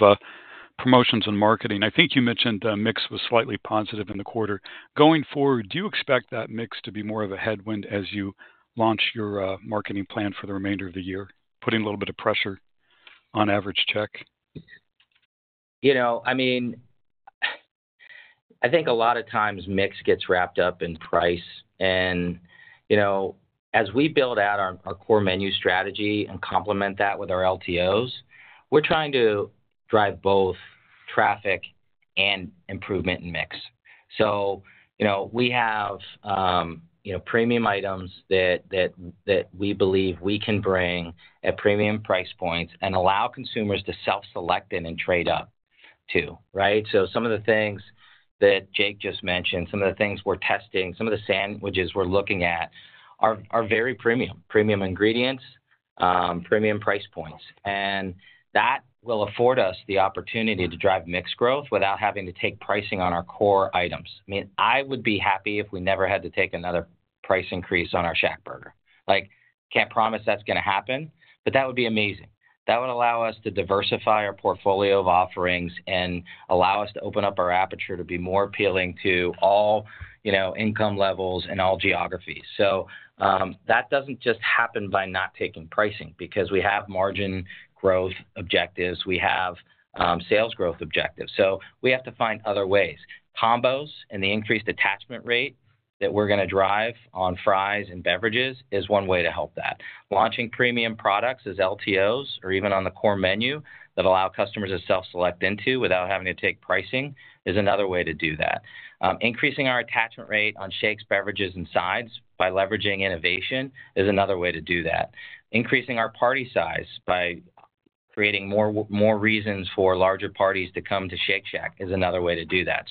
promotions and marketing. I think you mentioned the mix was slightly positive in the quarter. Going forward, do you expect that mix to be more of a headwind as you launch your marketing plan for the remainder of the year, putting a little bit of pressure on average check? I mean, I think a lot of times mix gets wrapped up in price. As we build out our core menu strategy and complement that with our LTOs, we're trying to drive both traffic and improvement in mix. We have premium items that we believe we can bring at premium price points and allow consumers to self-select and trade up to, right? Some of the things that Jake just mentioned, some of the things we're testing, some of the sandwiches we're looking at are very premium, premium ingredients, premium price points. That will afford us the opportunity to drive mix growth without having to take pricing on our core items. I mean, I would be happy if we never had to take another price increase on our Shack Burger. I can't promise that's going to happen, but that would be amazing. That would allow us to diversify our portfolio of offerings and allow us to open up our aperture to be more appealing to all income levels and all geographies. That does not just happen by not taking pricing because we have margin growth objectives. We have sales growth objectives. We have to find other ways. Combos and the increased attachment rate that we are going to drive on fries and beverages is one way to help that. Launching premium products as LTOs or even on the core menu that allow customers to self-select into without having to take pricing is another way to do that. Increasing our attachment rate on shakes, beverages, and sides by leveraging innovation is another way to do that. Increasing our party size by creating more reasons for larger parties to come to Shake Shack is another way to do that.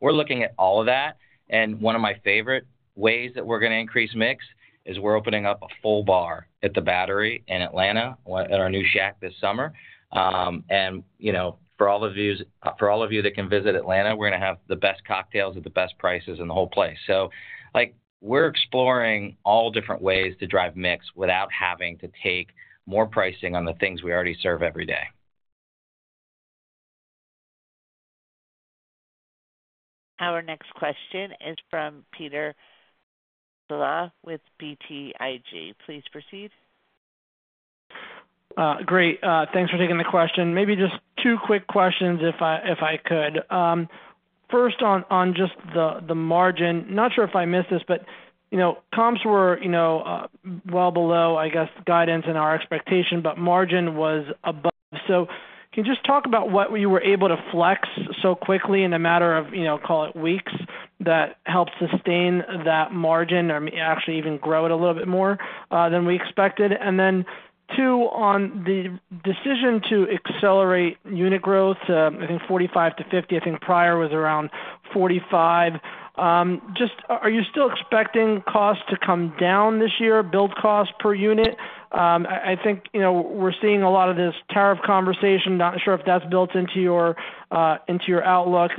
We're looking at all of that. One of my favorite ways that we're going to increase mix is we're opening up a full bar at The Battery in Atlanta at our new Shack this summer. For all of you that can visit Atlanta, we're going to have the best cocktails at the best prices in the whole place. We're exploring all different ways to drive mix without having to take more pricing on the things we already serve every day. Our next question is from Peter Saleh with BTIG. Please proceed. Great. Thanks for taking the question. Maybe just two quick questions if I could. First, on just the margin, not sure if I missed this, but comps were well below, I guess, guidance and our expectation, but margin was above. Can you just talk about what you were able to flex so quickly in a matter of, call it, weeks that helped sustain that margin or actually even grow it a little bit more than we expected? Two, on the decision to accelerate unit growth, I think 45-50. I think prior was around 45. Are you still expecting costs to come down this year, build costs per unit? I think we're seeing a lot of this tariff conversation. Not sure if that's built into your outlook.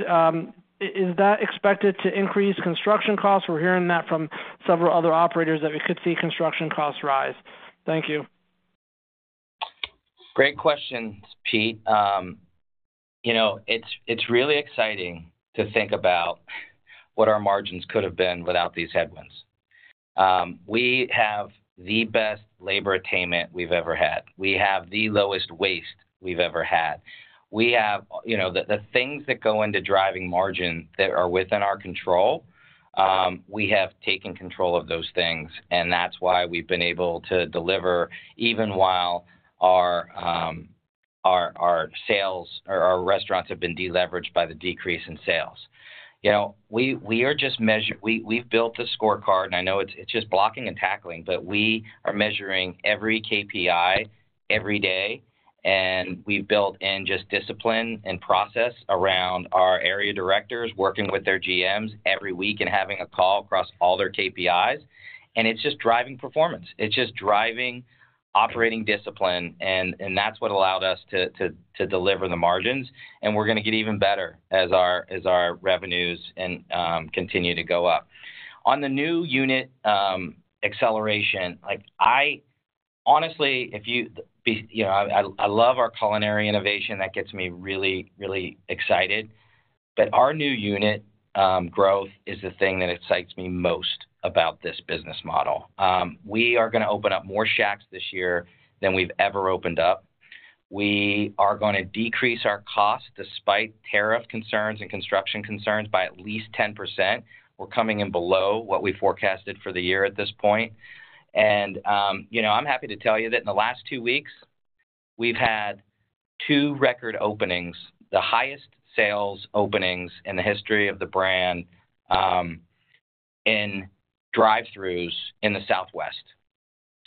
Is that expected to increase construction costs? We're hearing that from several other operators that we could see construction costs rise. Thank you. Great questions, Pete. It's really exciting to think about what our margins could have been without these headwinds. We have the best labor attainment we've ever had. We have the lowest waste we've ever had. We have the things that go into driving margin that are within our control. We have taken control of those things, and that's why we've been able to deliver even while our restaurants have been deleveraged by the decrease in sales. We are just measuring, we've built the scorecard, and I know it's just blocking and tackling, but we are measuring every KPI every day. We've built in just discipline and process around our area directors working with their GMs every week and having a call across all their KPIs. It's just driving performance. It's just driving operating discipline, and that's what allowed us to deliver the margins. We are going to get even better as our revenues continue to go up. On the new unit acceleration, honestly, I love our culinary innovation. That gets me really, really excited. Our new unit growth is the thing that excites me most about this business model. We are going to open up more Shacks this year than we've ever opened up. We are going to decrease our costs despite tariff concerns and construction concerns by at least 10%. We are coming in below what we forecasted for the year at this point. I am happy to tell you that in the last two weeks, we've had two record openings, the highest sales openings in the history of the brand in drive-thrus in the Southwest.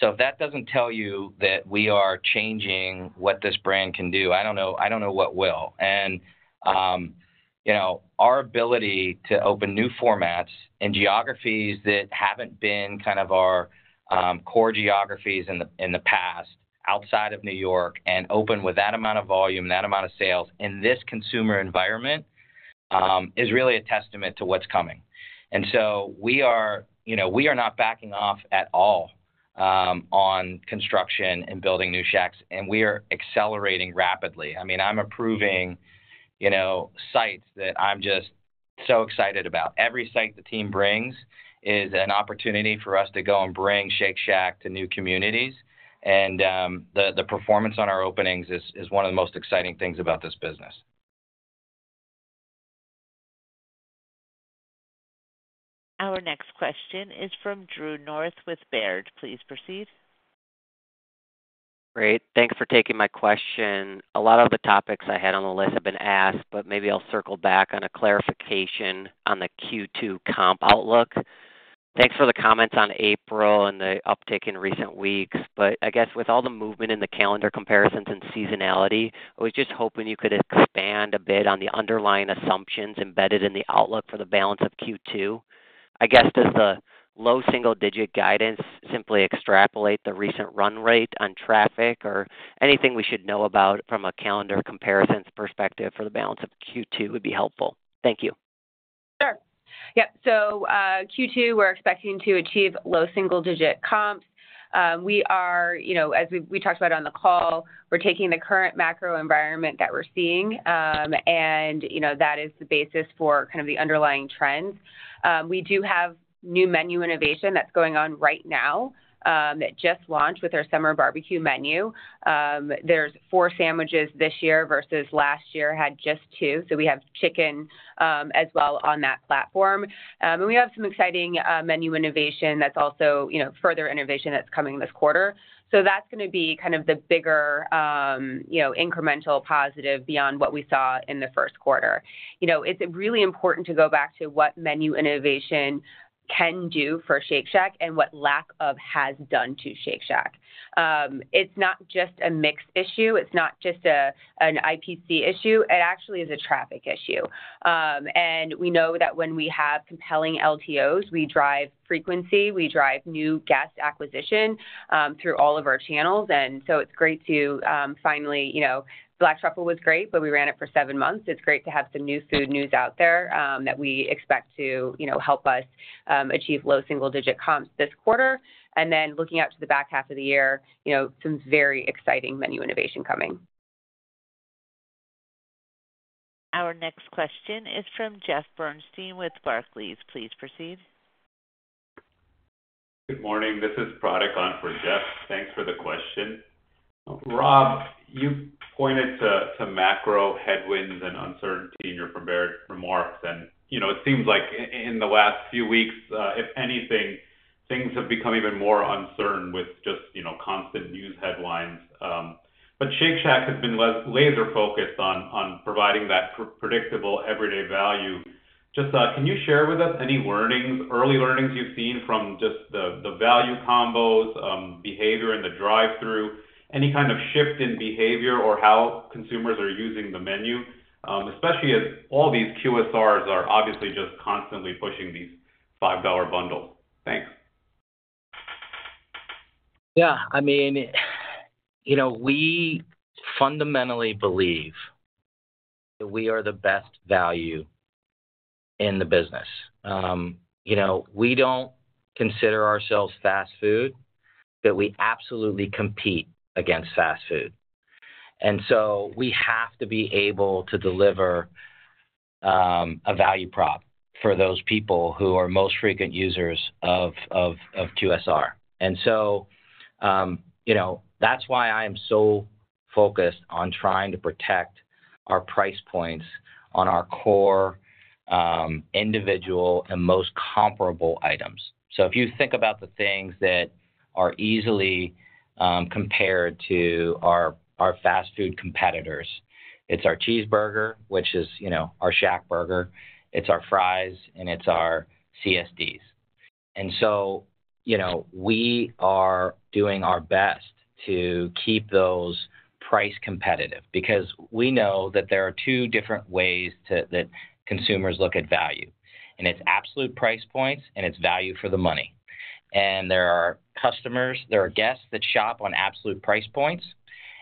If that does not tell you that we are changing what this brand can do, I do not know what will. Our ability to open new formats in geographies that haven't been kind of our core geographies in the past outside of New York and open with that amount of volume and that amount of sales in this consumer environment is really a testament to what's coming. We are not backing off at all on construction and building new Shacks, and we are accelerating rapidly. I mean, I'm approving sites that I'm just so excited about. Every site the team brings is an opportunity for us to go and bring Shake Shack to new communities. The performance on our openings is one of the most exciting things about this business. Our next question is from Drew North with Baird. Please proceed. Great. Thanks for taking my question. A lot of the topics I had on the list have been asked, but maybe I'll circle back on a clarification on the Q2 comp outlook. Thanks for the comments on April and the uptick in recent weeks. I guess with all the movement in the calendar comparisons and seasonality, I was just hoping you could expand a bit on the underlying assumptions embedded in the outlook for the balance of Q2. I guess does the low single-digit guidance simply extrapolate the recent run rate on traffic or anything we should know about from a calendar comparisons perspective for the balance of Q2 would be helpful? Thank you. Sure. Yeah. Q2, we're expecting to achieve low single-digit comps. We are, as we talked about on the call, taking the current macro environment that we're seeing, and that is the basis for kind of the underlying trends. We do have new menu innovation that's going on right now that just launched with our summer barbecue menu. There are four sandwiches this year versus last year had just two. We have chicken as well on that platform. We have some exciting menu innovation that's also further innovation that's coming this quarter. That is going to be kind of the bigger incremental positive beyond what we saw in the first quarter. It's really important to go back to what menu innovation can do for Shake Shack and what lack of has done to Shake Shack. It's not just a mix issue. It's not just an IPC issue. It actually is a traffic issue. We know that when we have compelling LTOs, we drive frequency. We drive new guest acquisition through all of our channels. It is great to finally—Black Truffle was great, but we ran it for seven months. It is great to have some new food news out there that we expect to help us achieve low single-digit comps this quarter. Looking out to the back half of the year, some very exciting menu innovation coming. Our next question is from Jeff Bernstein with Barclays. Please proceed. Good morning. This is Pradeka for Jeff. Thanks for the question. Rob, you pointed to macro headwinds and uncertainty in your remarks. It seems like in the last few weeks, if anything, things have become even more uncertain with just constant news headlines. Shake Shack has been laser-focused on providing that predictable everyday value. Just can you share with us any early learnings you've seen from just the value combos, behavior in the drive-thru, any kind of shift in behavior or how consumers are using the menu, especially as all these QSRs are obviously just constantly pushing these $5 bundles? Thanks. Yeah. I mean, we fundamentally believe that we are the best value in the business. We do not consider ourselves fast food, but we absolutely compete against fast food. We have to be able to deliver a value prop for those people who are most frequent users of QSR. That is why I am so focused on trying to protect our price points on our core individual and most comparable items. If you think about the things that are easily compared to our fast food competitors, it is our cheeseburger, which is our Shack Burger, our fries, and our CSDs. We are doing our best to keep those price competitive because we know that there are two different ways that consumers look at value. It is absolute price points, and it is value for the money. There are customers, there are guests that shop on absolute price points,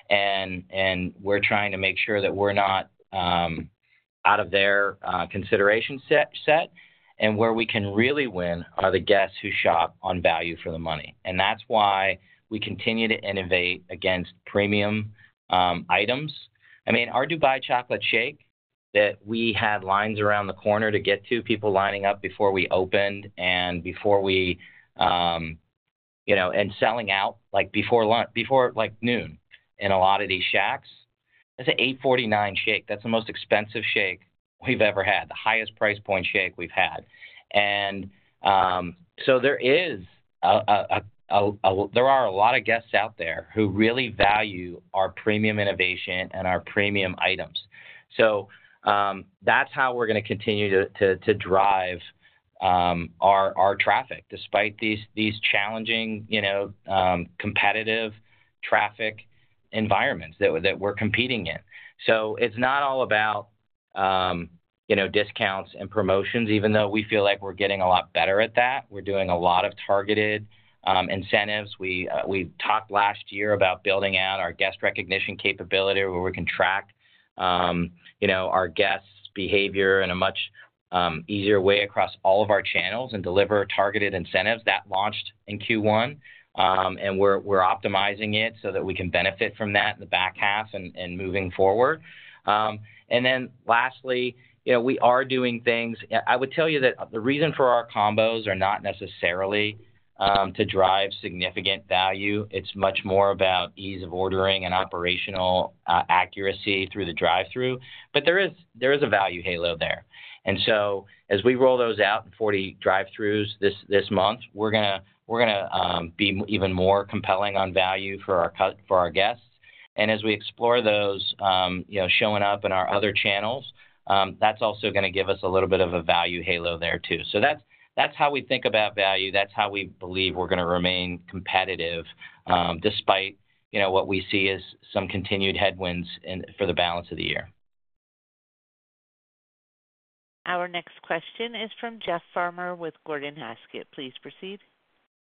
and we're trying to make sure that we're not out of their consideration set. Where we can really win are the guests who shop on value for the money. That's why we continue to innovate against premium items. I mean, our Dubai Chocolate Shake that we had lines around the corner to get to, people lining up before we opened and selling out before noon in a lot of these shacks. It's an $8.49 shake. That's the most expensive shake we've ever had, the highest price point shake we've had. There are a lot of guests out there who really value our premium innovation and our premium items. That's how we're going to continue to drive our traffic despite these challenging competitive traffic environments that we're competing in. It is not all about discounts and promotions, even though we feel like we're getting a lot better at that. We're doing a lot of targeted incentives. We talked last year about building out our guest recognition capability where we can track our guests' behavior in a much easier way across all of our channels and deliver targeted incentives. That launched in Q1, and we're optimizing it so that we can benefit from that in the back half and moving forward. Lastly, we are doing things. I would tell you that the reason for our combos are not necessarily to drive significant value. It is much more about ease of ordering and operational accuracy through the drive-thru. There is a value halo there. As we roll those out in 40 drive-thrus this month, we're going to be even more compelling on value for our guests. As we explore those showing up in our other channels, that's also going to give us a little bit of a value halo there too. That's how we think about value. That's how we believe we're going to remain competitive despite what we see as some continued headwinds for the balance of the year. Our next question is from Jeff Farmer with Gordon Haskett. Please proceed.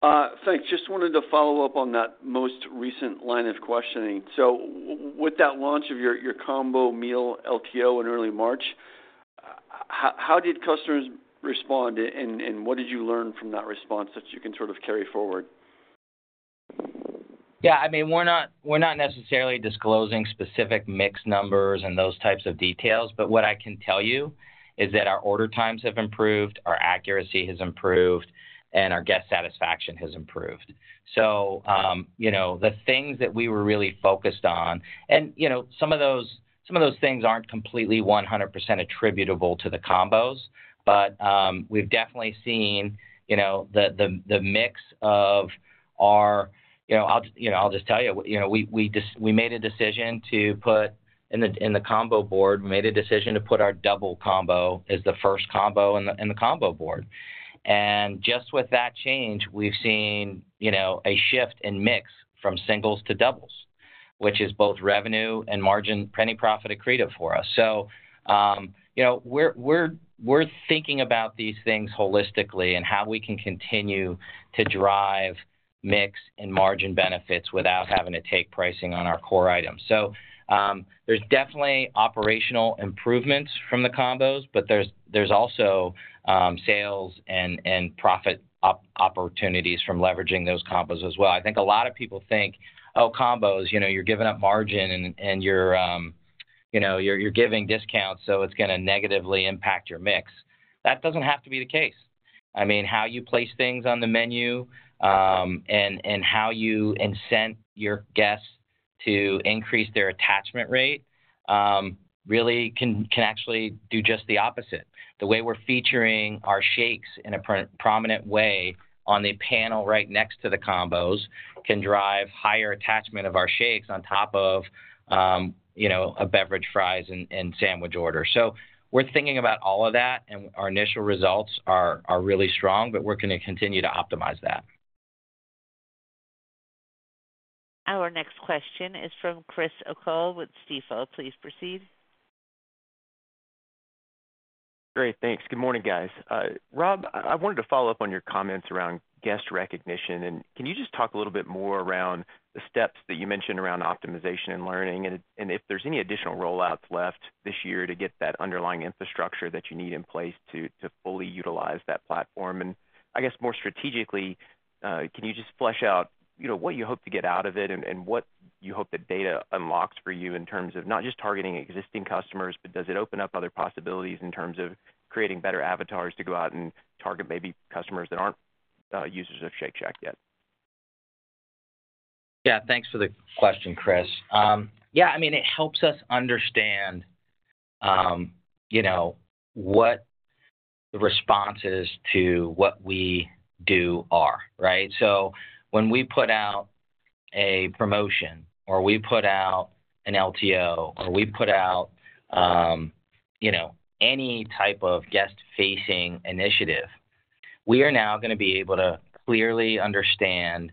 Thanks. Just wanted to follow up on that most recent line of questioning. With that launch of your combo meal LTO in early March, how did customers respond, and what did you learn from that response that you can sort of carry forward? Yeah. I mean, we're not necessarily disclosing specific mix numbers and those types of details, but what I can tell you is that our order times have improved, our accuracy has improved, and our guest satisfaction has improved. The things that we were really focused on, and some of those things aren't completely 100% attributable to the combos, but we've definitely seen the mix of our—I'll just tell you. We made a decision to put in the combo board, we made a decision to put our double combo as the first combo in the combo board. Just with that change, we've seen a shift in mix from singles to doubles, which is both revenue and margin, penny profit accretive for us. We're thinking about these things holistically and how we can continue to drive mix and margin benefits without having to take pricing on our core items. There's definitely operational improvements from the combos, but there's also sales and profit opportunities from leveraging those combos as well. I think a lot of people think, "Oh, combos, you're giving up margin and you're giving discounts, so it's going to negatively impact your mix." That doesn't have to be the case. I mean, how you place things on the menu and how you incent your guests to increase their attachment rate really can actually do just the opposite. The way we're featuring our shakes in a prominent way on the panel right next to the combos can drive higher attachment of our shakes on top of beverage fries and sandwich orders. We're thinking about all of that, and our initial results are really strong, but we're going to continue to optimize that. Our next question is from Chris O'Cull with Stifel. Please proceed. Great. Thanks. Good morning, guys. Rob, I wanted to follow up on your comments around guest recognition. Can you just talk a little bit more around the steps that you mentioned around optimization and learning and if there's any additional rollouts left this year to get that underlying infrastructure that you need in place to fully utilize that platform? I guess more strategically, can you just flesh out what you hope to get out of it and what you hope that data unlocks for you in terms of not just targeting existing customers, but does it open up other possibilities in terms of creating better avatars to go out and target maybe customers that aren't users of Shake Shack yet? Yeah. Thanks for the question, Chris. Yeah. I mean, it helps us understand what the responses to what we do are, right? When we put out a promotion or we put out an LTO or we put out any type of guest-facing initiative, we are now going to be able to clearly understand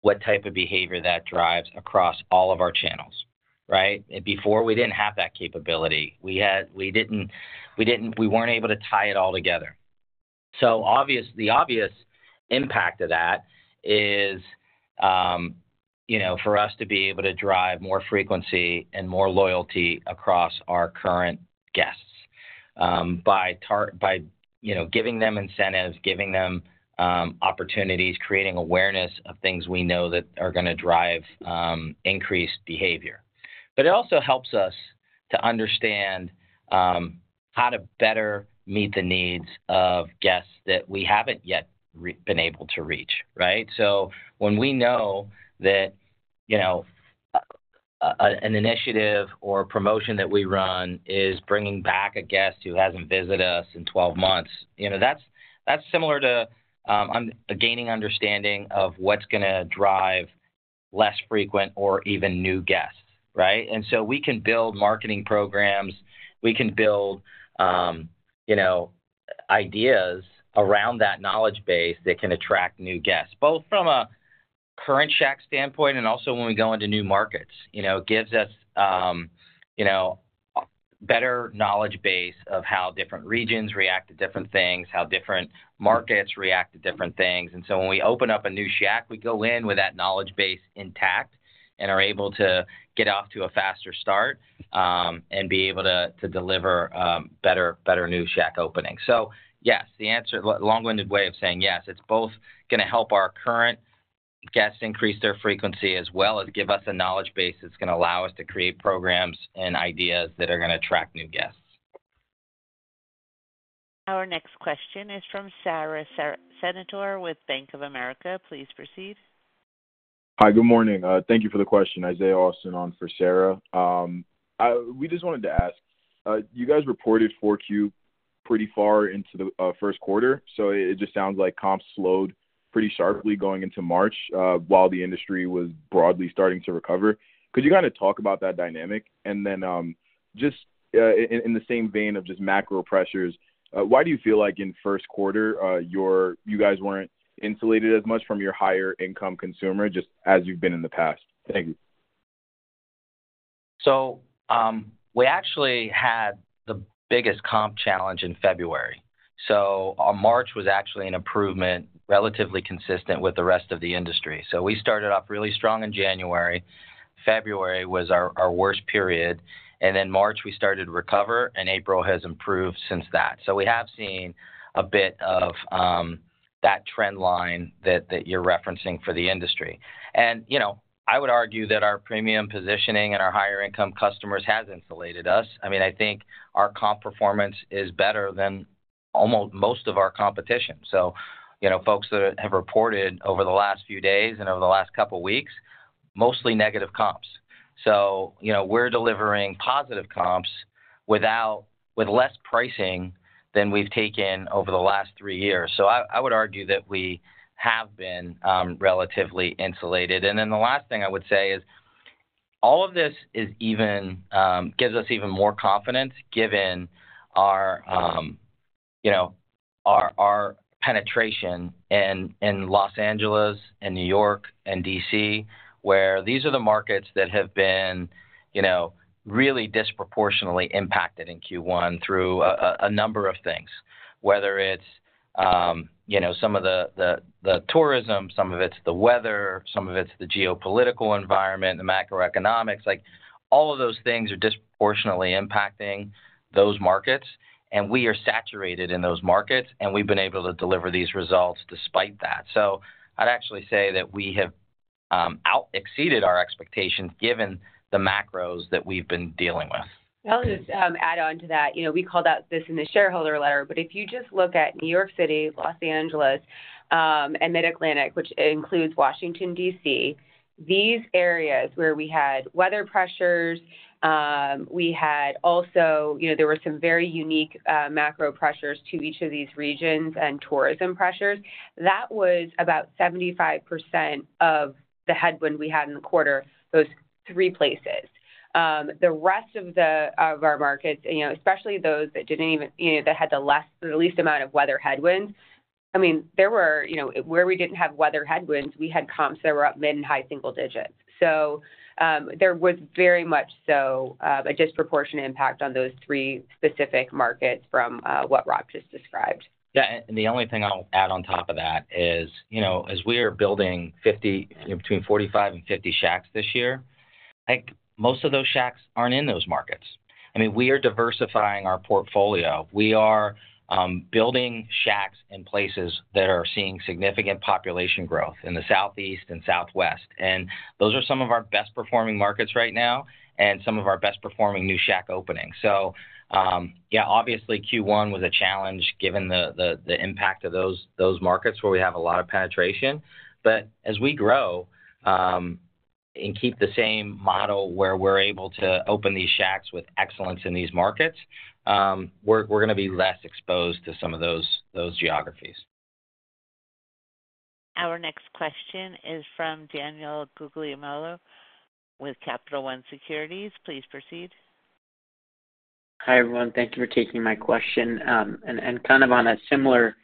what type of behavior that drives across all of our channels, right? Before, we did not have that capability. We were not able to tie it all together. The obvious impact of that is for us to be able to drive more frequency and more loyalty across our current guests by giving them incentives, giving them opportunities, creating awareness of things we know that are going to drive increased behavior. It also helps us to understand how to better meet the needs of guests that we have not yet been able to reach, right? When we know that an initiative or promotion that we run is bringing back a guest who hasn't visited us in 12 months, that's similar to gaining understanding of what's going to drive less frequent or even new guests, right? We can build marketing programs. We can build ideas around that knowledge base that can attract new guests, both from a current Shack standpoint and also when we go into new markets. It gives us a better knowledge base of how different regions react to different things, how different markets react to different things. When we open up a new Shack, we go in with that knowledge base intact and are able to get off to a faster start and be able to deliver better new Shack openings. Yes, the long-winded way of saying yes, it's both going to help our current guests increase their frequency as well as give us a knowledge base that's going to allow us to create programs and ideas that are going to attract new guests. Our next question is from Sarah Senatore with Bank of America. Please proceed. Hi, good morning. Thank you for the question. Isaiah Austin on for Sarah. We just wanted to ask, you guys reported 4Q pretty far into the first quarter. It just sounds like comps slowed pretty sharply going into March while the industry was broadly starting to recover. Could you kind of talk about that dynamic? In the same vein of just macro pressures, why do you feel like in first quarter you guys were not insulated as much from your higher-income consumer just as you have been in the past? Thank you. We actually had the biggest comp challenge in February. March was actually an improvement, relatively consistent with the rest of the industry. We started off really strong in January. February was our worst period. March, we started to recover, and April has improved since that. We have seen a bit of that trend line that you're referencing for the industry. I would argue that our premium positioning and our higher-income customers has insulated us. I mean, I think our comp performance is better than almost most of our competition. Folks that have reported over the last few days and over the last couple of weeks, mostly negative comps. We're delivering positive comps with less pricing than we've taken over the last three years. I would argue that we have been relatively insulated. The last thing I would say is all of this gives us even more confidence given our penetration in Los Angeles and New York and D.C., where these are the markets that have been really disproportionately impacted in Q1 through a number of things, whether it's some of the tourism, some of it's the weather, some of it's the geopolitical environment, the macroeconomics. All of those things are disproportionately impacting those markets, and we are saturated in those markets, and we've been able to deliver these results despite that. I'd actually say that we have exceeded our expectations given the macros that we've been dealing with. I'll just add on to that. We call this in the shareholder letter, but if you just look at New York City, Los Angeles, and Mid-Atlantic, which includes Washington, D.C., these areas where we had weather pressures, we had also there were some very unique macro pressures to each of these regions and tourism pressures. That was about 75% of the headwind we had in the quarter, those three places. The rest of our markets, especially those that didn't even that had the least amount of weather headwinds, I mean, there were where we didn't have weather headwinds, we had comps that were up mid and high single digits. So there was very much so a disproportionate impact on those three specific markets from what Rob just described. Yeah. The only thing I'll add on top of that is as we are building between 45 and 50 Shacks this year, I think most of those Shacks aren't in those markets. I mean, we are diversifying our portfolio. We are building Shacks in places that are seeing significant population growth in the southeast and southwest. Those are some of our best-performing markets right now and some of our best-performing new Shack openings. Yeah, obviously, Q1 was a challenge given the impact of those markets where we have a lot of penetration. As we grow and keep the same model where we're able to open these Shacks with excellence in these markets, we're going to be less exposed to some of those geographies. Our next question is from Daniel Guglielmo with Capital One Securities. Please proceed. Hi everyone. Thank you for taking my question. Kind of on a similar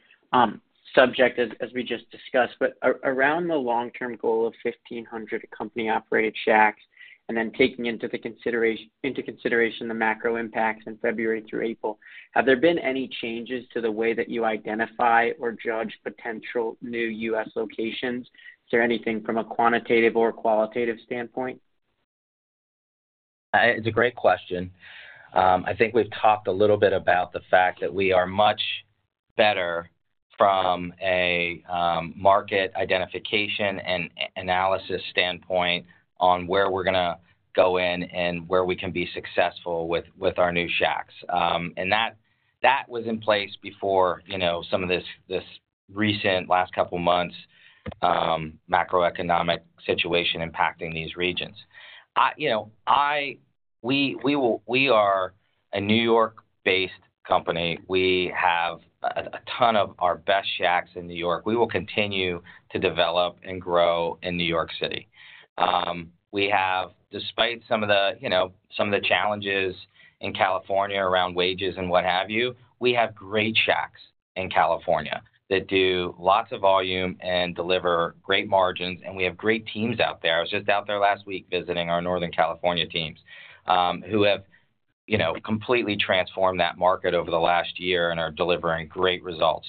subject as we just discussed, but around the long-term goal of 1,500 company-operated Shacks and then taking into consideration the macro impacts in February through April, have there been any changes to the way that you identify or judge potential new U.S.locations? Is there anything from a quantitative or qualitative standpoint? It's a great question. I think we've talked a little bit about the fact that we are much better from a market identification and analysis standpoint on where we're going to go in and where we can be successful with our new Shacks. That was in place before some of this recent last couple of months' macroeconomic situation impacting these regions. We are a New York-based company. We have a ton of our best Shacks in New York. We will continue to develop and grow in New York City. Despite some of the challenges in California around wages and what have you, we have great Shacks in California that do lots of volume and deliver great margins, and we have great teams out there. I was just out there last week visiting our Northern California teams who have completely transformed that market over the last year and are delivering great results.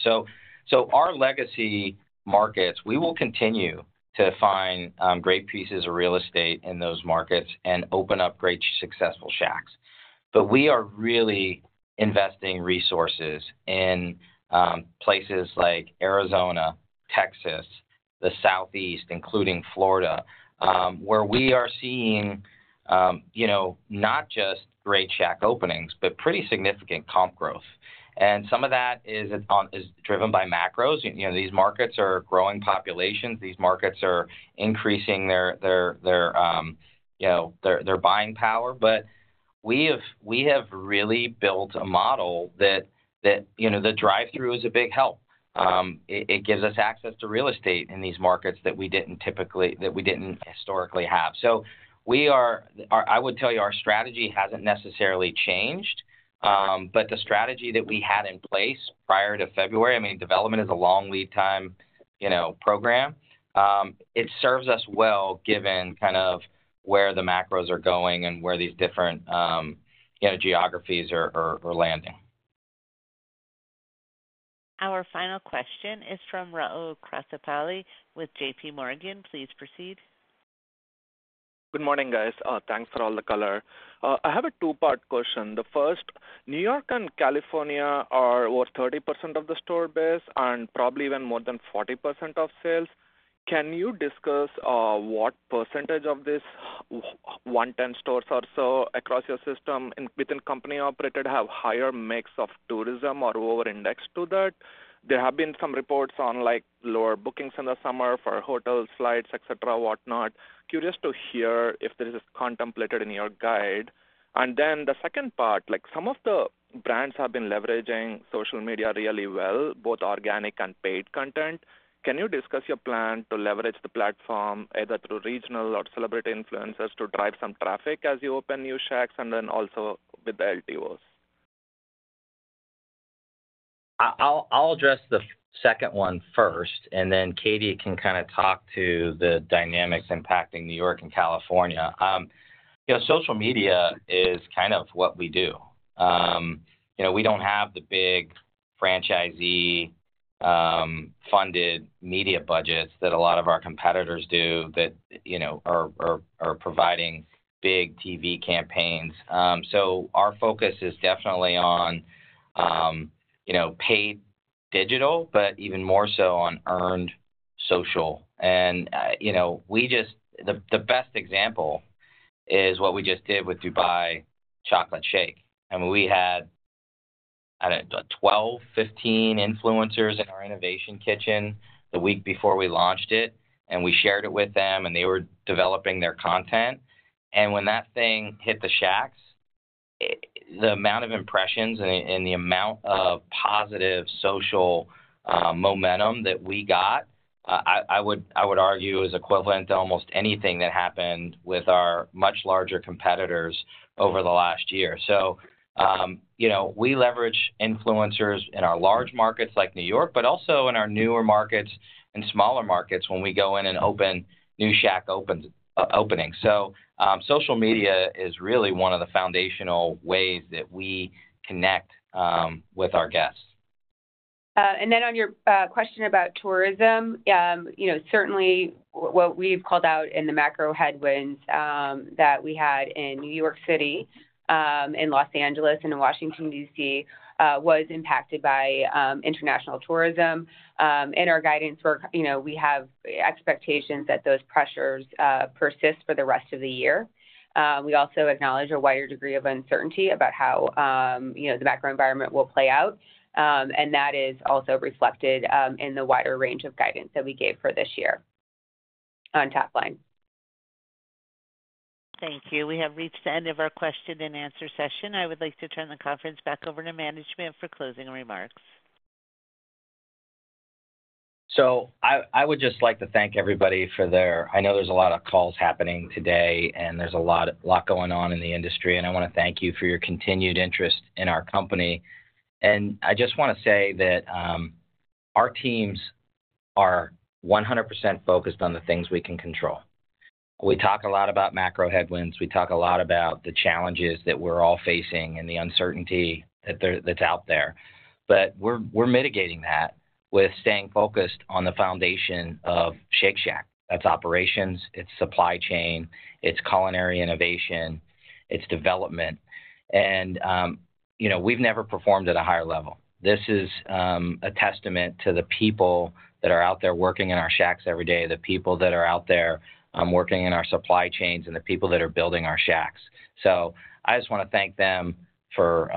Our legacy markets, we will continue to find great pieces of real estate in those markets and open up great successful Shacks. We are really investing resources in places like Arizona, Texas, the southeast, including Florida, where we are seeing not just great Shack openings, but pretty significant comp growth. Some of that is driven by macros. These markets are growing populations. These markets are increasing their buying power. We have really built a model that the drive-through is a big help. It gives us access to real estate in these markets that we didn't historically have. I would tell you our strategy hasn't necessarily changed, but the strategy that we had in place prior to February—I mean, development is a long lead time program—it serves us well given kind of where the macros are going and where these different geographies are landing. Our final question is from Rahul Krotthapalli with J.P. Morgan. Please proceed. Good morning, guys. Thanks for all the color. I have a two-part question. The first, New York and California are over 30% of the store base and probably even more than 40% of sales. Can you discuss what percentage of these 110 stores or so across your system within company-operated have higher mix of tourism or over-indexed to that? There have been some reports on lower bookings in the summer for hotels, flights, etc., whatnot. Curious to hear if this is contemplated in your guide. The second part, some of the brands have been leveraging social media really well, both organic and paid content. Can you discuss your plan to leverage the platform either through regional or celebrity influencers to drive some traffic as you open new Shacks and then also with the LTOs? I'll address the second one first, and then Katie can kind of talk to the dynamics impacting New York and California. Social media is kind of what we do. We don't have the big franchisee-funded media budgets that a lot of our competitors do that are providing big TV campaigns. Our focus is definitely on paid digital, but even more so on earned social. The best example is what we just did with Dubai Chocolate Shake. We had, I don't know, 12, 15 influencers in our innovation kitchen the week before we launched it, and we shared it with them, and they were developing their content. When that thing hit the Shacks, the amount of impressions and the amount of positive social momentum that we got, I would argue is equivalent to almost anything that happened with our much larger competitors over the last year. We leverage influencers in our large markets like New York, but also in our newer markets and smaller markets when we go in and open new Shack openings. Social media is really one of the foundational ways that we connect with our guests. On your question about tourism, certainly what we've called out in the macro headwinds that we had in New York City, in Los Angeles, and in Washington, D.C., was impacted by international tourism. In our guidance work, we have expectations that those pressures persist for the rest of the year. We also acknowledge a wider degree of uncertainty about how the macro environment will play out, and that is also reflected in the wider range of guidance that we gave for this year on top line. Thank you. We have reached the end of our question-and-answer session. I would like to turn the conference back over to management for closing remarks. I would just like to thank everybody for their—I know there's a lot of calls happening today, and there's a lot going on in the industry, and I want to thank you for your continued interest in our company. I just want to say that our teams are 100% focused on the things we can control. We talk a lot about macro headwinds. We talk a lot about the challenges that we're all facing and the uncertainty that's out there. We're mitigating that with staying focused on the foundation of Shake Shack. That's operations. It's supply chain. It's culinary innovation. It's development. We've never performed at a higher level. This is a testament to the people that are out there working in our Shacks every day, the people that are out there working in our supply chains, and the people that are building our Shacks. I just want to thank them for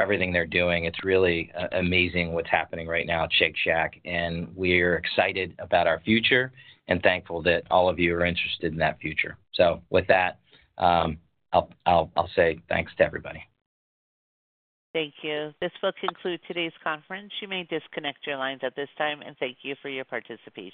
everything they're doing. It's really amazing what's happening right now at Shake Shack, and we are excited about our future and thankful that all of you are interested in that future. With that, I'll say thanks to everybody. Thank you. This will conclude today's conference. You may disconnect your lines at this time, and thank you for your participation.